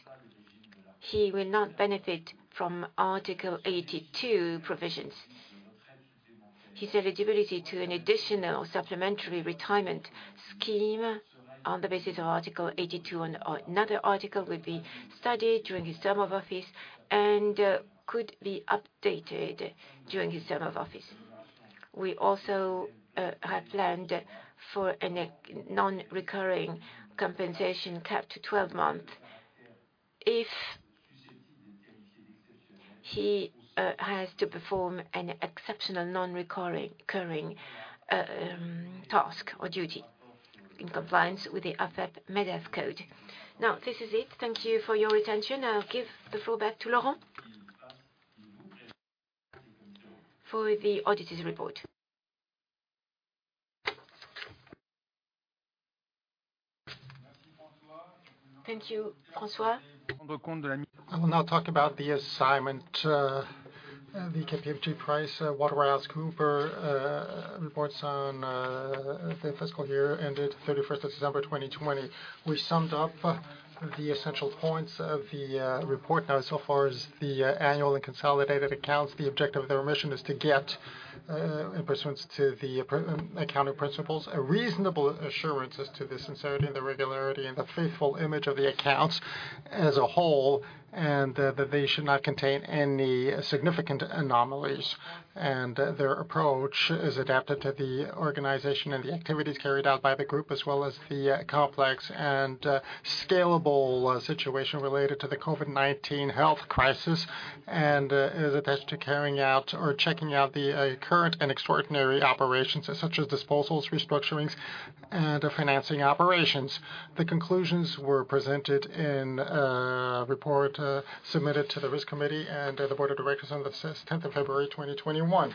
he will not benefit from Article 82 provisions. His eligibility to an additional supplementary retirement scheme on the basis of Article 82 and, or another article, will be studied during his term of office and could be updated during his term of office. We also have planned for an exceptional non-recurring compensation cap to 12 months if he has to perform an exceptional non-recurring task or duty in compliance with the AFEP-MEDEF Code. Now, this is it. Thank you for your attention. I'll give the floor back to Laurent for the auditor's report. Thank you, François.I will now talk about the assignment, the KPMG, PricewaterhouseCoopers, reports on, the fiscal year ended thirty-first of December 2020. We summed up the essential points of the, report. Now, so far as the, annual and consolidated accounts, the objective of their mission is to get, in pursuant to the accounting principles, a reasonable assurance as to the sincerity and the regularity and the faithful image of the accounts as a whole, and, that they should not contain any significant anomalies, and their approach is adapted to the organization and the activities carried out by the group, as well as the, complex and, scalable, situation related to the COVID-19 health crisis, and, as attached to carrying out or checking out the, current and extraordinary operations, such as disposals, restructurings, and the financing operations. The conclusions were presented in a report submitted to the Risk Committee and the Board of Directors on the tenth of February 2021.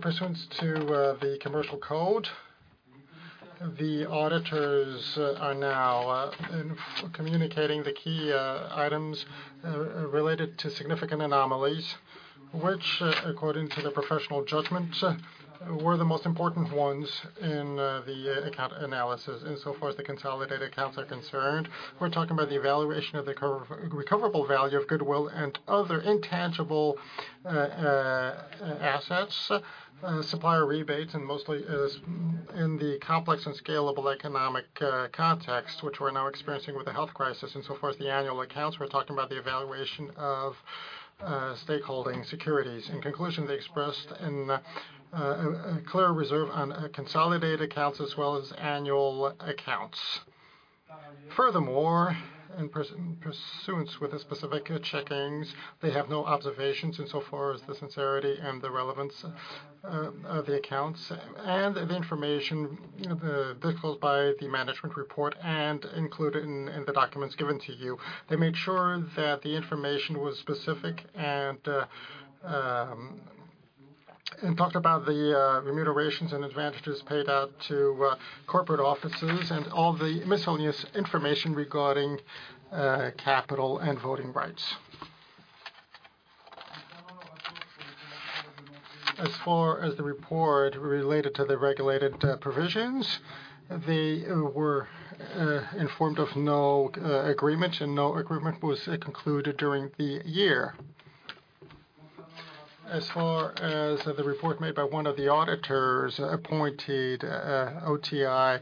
Pursuant to the Commercial Code, the auditors are now communicating the key items related to significant anomalies, which according to the professional judgment were the most important ones in the account analysis. In so far as the consolidated accounts are concerned, we're talking about the evaluation of the recoverable value of goodwill and other intangible assets, supplier rebates, and most lies in the complex and volatile economic context, which we're now experiencing with the health crisis. So far as the annual accounts, we're talking about the evaluation of shareholding securities. In conclusion, they expressed in a clear reserve on consolidated accounts as well as annual accounts. Furthermore, in pursuance with the specific checkings, they have no observations in so far as the sincerity and the relevance of the accounts and the information divulged by the management report and included in the documents given to you. They made sure that the information was specific and talked about the remunerations and advantages paid out to corporate offices and all the miscellaneous information regarding capital and voting rights. As far as the report related to the regulated provisions, they were informed of no agreement, and no agreement was concluded during the year. As far as the report made by one of the auditors appointed OTI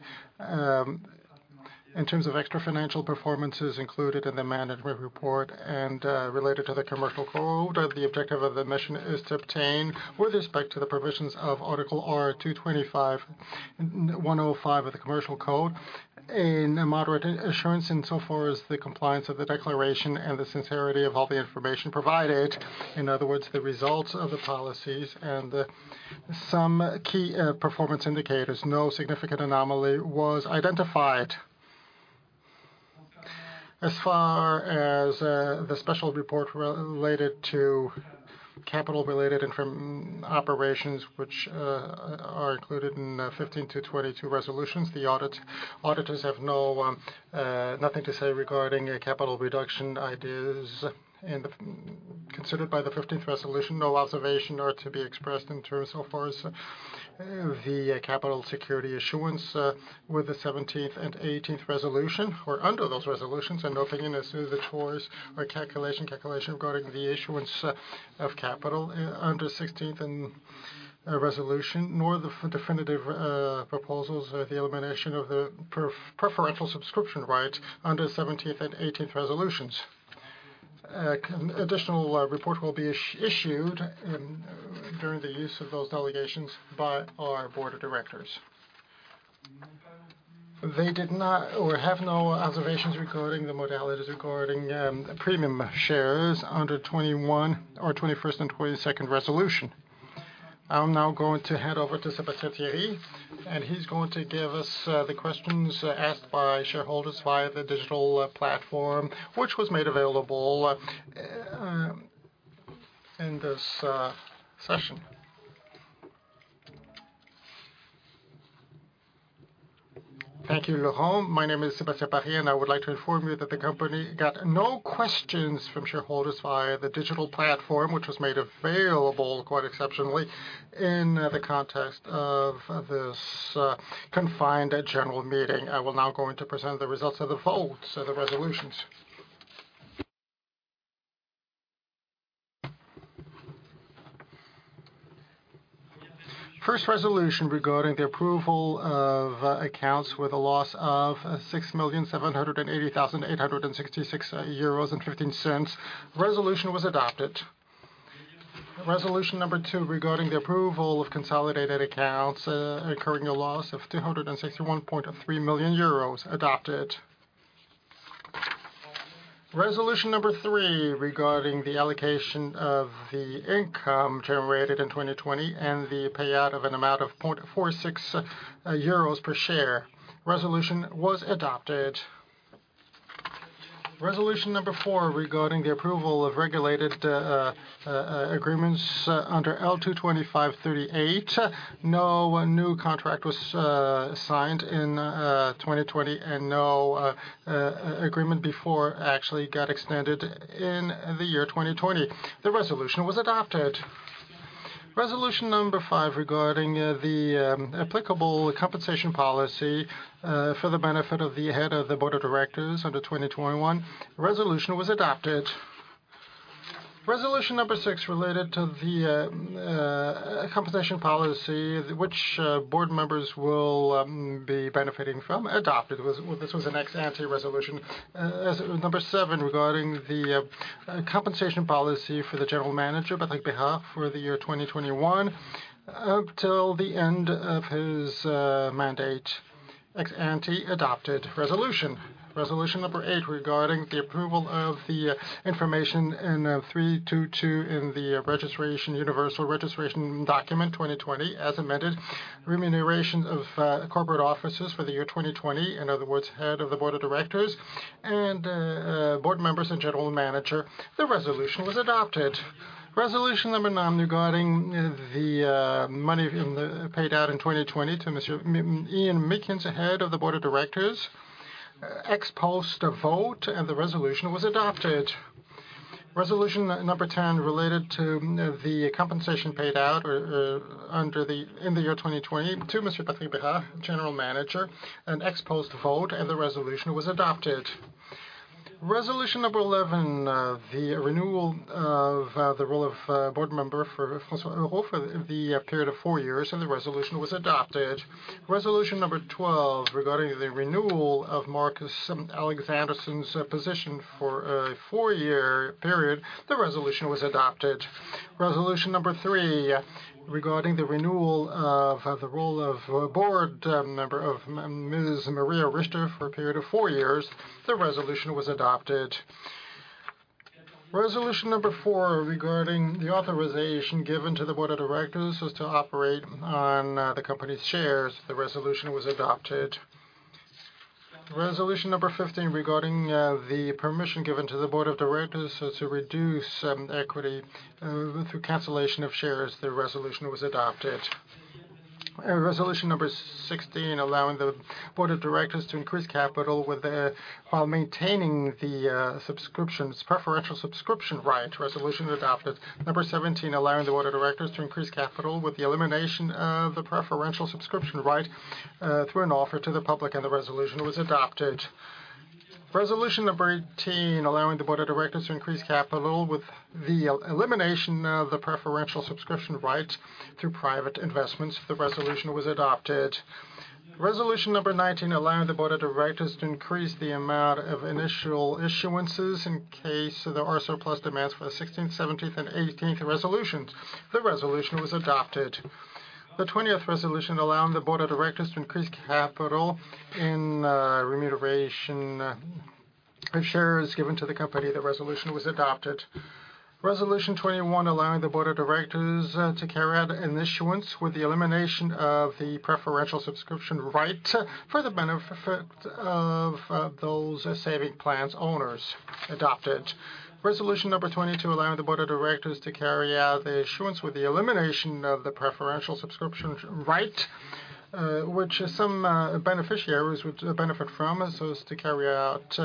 in terms of extra-financial performances included in the management report and related to the Commercial Code, the objective of the mission is to obtain with respect to the provisions of Article R225-105 of the Commercial Code, in a moderate assurance insofar as the compliance of the declaration and the sincerity of all the information provided. In other words, the results of the policies and some key performance indicators, no significant anomaly was identified. As far as the special report related to capital related and from operations which are included in fifteen to 22 resolutions, the auditors have no nothing to say regarding a capital reduction ideas and considered by the fifteenth resolution. No observation are to be expressed in terms so far as the capital security issuance with the seventeenth and eighteenth resolution, or under those resolutions, and opinion as to the choice or calculation regarding the issuance of capital under sixteenth and resolution, nor the definitive proposals the elimination of the preferential subscription rights under seventeenth and eighteenth resolutions. Additional report will be issued during the use of those delegations by our board of directors. They did not or have no observations regarding the modalities regarding premium shares under 21 or 21st and 22nd resolution. I'm now going to hand over to Sébastien Thierry, and he's going to give us the questions asked by shareholders via the digital platform, which was made available in this session. Thank you, Jérôme. My name is Sébastien Thierry, and I would like to inform you that the company got no questions from shareholders via the digital platform, which was made available, quite exceptionally, in the context of this confined general meeting. I will now go in to present the results of the votes of the resolutions. First resolution regarding the approval of accounts with a loss of 6,786,866.15 euros, resolution was adopted. Resolution number two, regarding the approval of consolidated accounts, incurring a loss of 261.3 million euros, adopted. Resolution number three, regarding the allocation of the income generated in 2020 and the payout of an amount of 0.46 euros per share. Resolution was adopted. Resolution number four, regarding the approval of regulated agreements under L225-38. No new contract was signed in 2020, and no agreement before actually got extended in the year 2020. The resolution was adopted. Resolution number five, regarding the applicable compensation policy for the benefit of the head of the board of directors under 2021. Resolution was adopted. Resolution number six, related to the compensation policy, which board members will be benefiting from, adopted. This was an ex-ante resolution. As number seven, regarding the compensation policy for the general manager, Patrick Bérard, for the year 2021, up till the end of his mandate, ex-ante, adopted resolution. Resolution number eight, regarding the approval of the information in three two two in the Universal Registration Document 2020, as amended. Remuneration of corporate officers for the year 2020, in other words, head of the board of directors, and board members and general manager, the resolution was adopted. Resolution number nine, regarding the money paid out in 2020 to Mr. Ian Meakins, head of the board of directors, ex post vote, and the resolution was adopted. Resolution number ten, related to the compensation paid out under the in the year 2020 to Mr. Patrick Bérard, general manager, an ex post vote, and the resolution was adopted. Resolution number eleven, the renewal of the role of board member for François Auque for the period of four years, and the resolution was adopted. Resolution number 12, regarding the renewal of Marcus Alexanderson's position for a four-year period, the resolution was adopted. Resolution number three, regarding the renewal of the role of board member of Ms. Maria Richter for a period of four years, the resolution was adopted. Resolution number four, regarding the authorization given to the board of directors to operate on the company's shares, the resolution was adopted. Resolution number fifteen, regarding the permission given to the board of directors to reduce equity through cancellation of shares, the resolution was adopted. Resolution number 16, allowing the Board of Directors to increase capital while maintaining the preferential subscription right. Resolution adopted. Number seventeen, allowing the Board of Directors to increase capital with the elimination of the preferential subscription right through an offer to the public, and the resolution was adopted. Resolution number 18, allowing the Board of Directors to increase capital with the elimination of the preferential subscription right through private investments. The resolution was adopted. Resolution number nineteen, allowing the Board of Directors to increase the amount of initial issuances in case there are surplus demands for the 16th, 17th, and 18th resolutions. The resolution was adopted. The 20th resolution, allowing the Board of Directors to increase capital in remuneration of shares given to the company. The resolution was adopted. Resolution 21, allowing the Board of Directors to carry out an issuance with the elimination of the preferential subscription right, for the benefit of those saving plans owners, adopted. Resolution number 22, allowing the Board of Directors to carry out the issuance with the elimination of the preferential subscription right, which some beneficiaries would benefit from, so as to carry out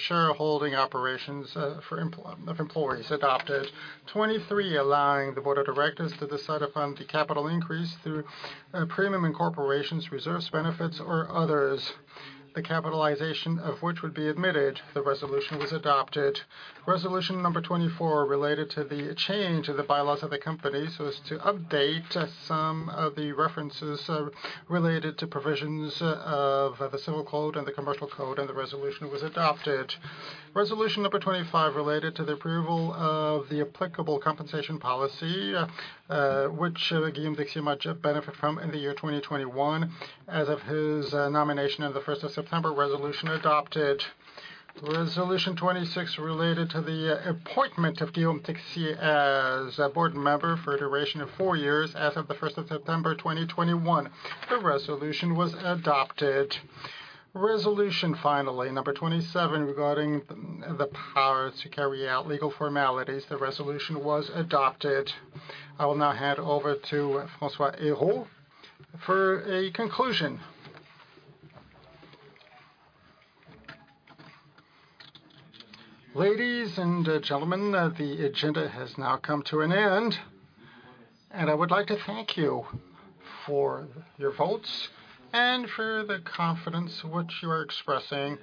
shareholding operations for employees, adopted. 23, allowing the Board of Directors to decide upon the capital increase through premium incorporations, reserves, benefits or others, the capitalization of which would be admitted. The resolution was adopted. Resolution number 24, related to the change of the bylaws of the company, so as to update some of the references related to provisions of the Civil Code and the Commercial Code, and the resolution was adopted. Resolution number 25, related to the approval of the applicable compensation policy, which Guillaume Texier much benefit from in the year 2021, as of his nomination on the first of September. Resolution adopted. Resolution 26, related to the appointment of Guillaume Texier as a board member for a duration of four years as of the first of September 2021. The resolution was adopted. Resolution, finally, number 27, regarding the power to carry out legal formalities. The resolution was adopted. I will now hand over to François Henrot for a conclusion. Ladies and gentlemen, the agenda has now come to an end, and I would like to thank you for your votes and for the confidence which you are expressing,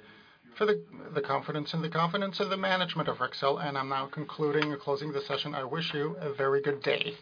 for the confidence of the management of Rexel, and I'm now concluding or closing the session. I wish you a very good day.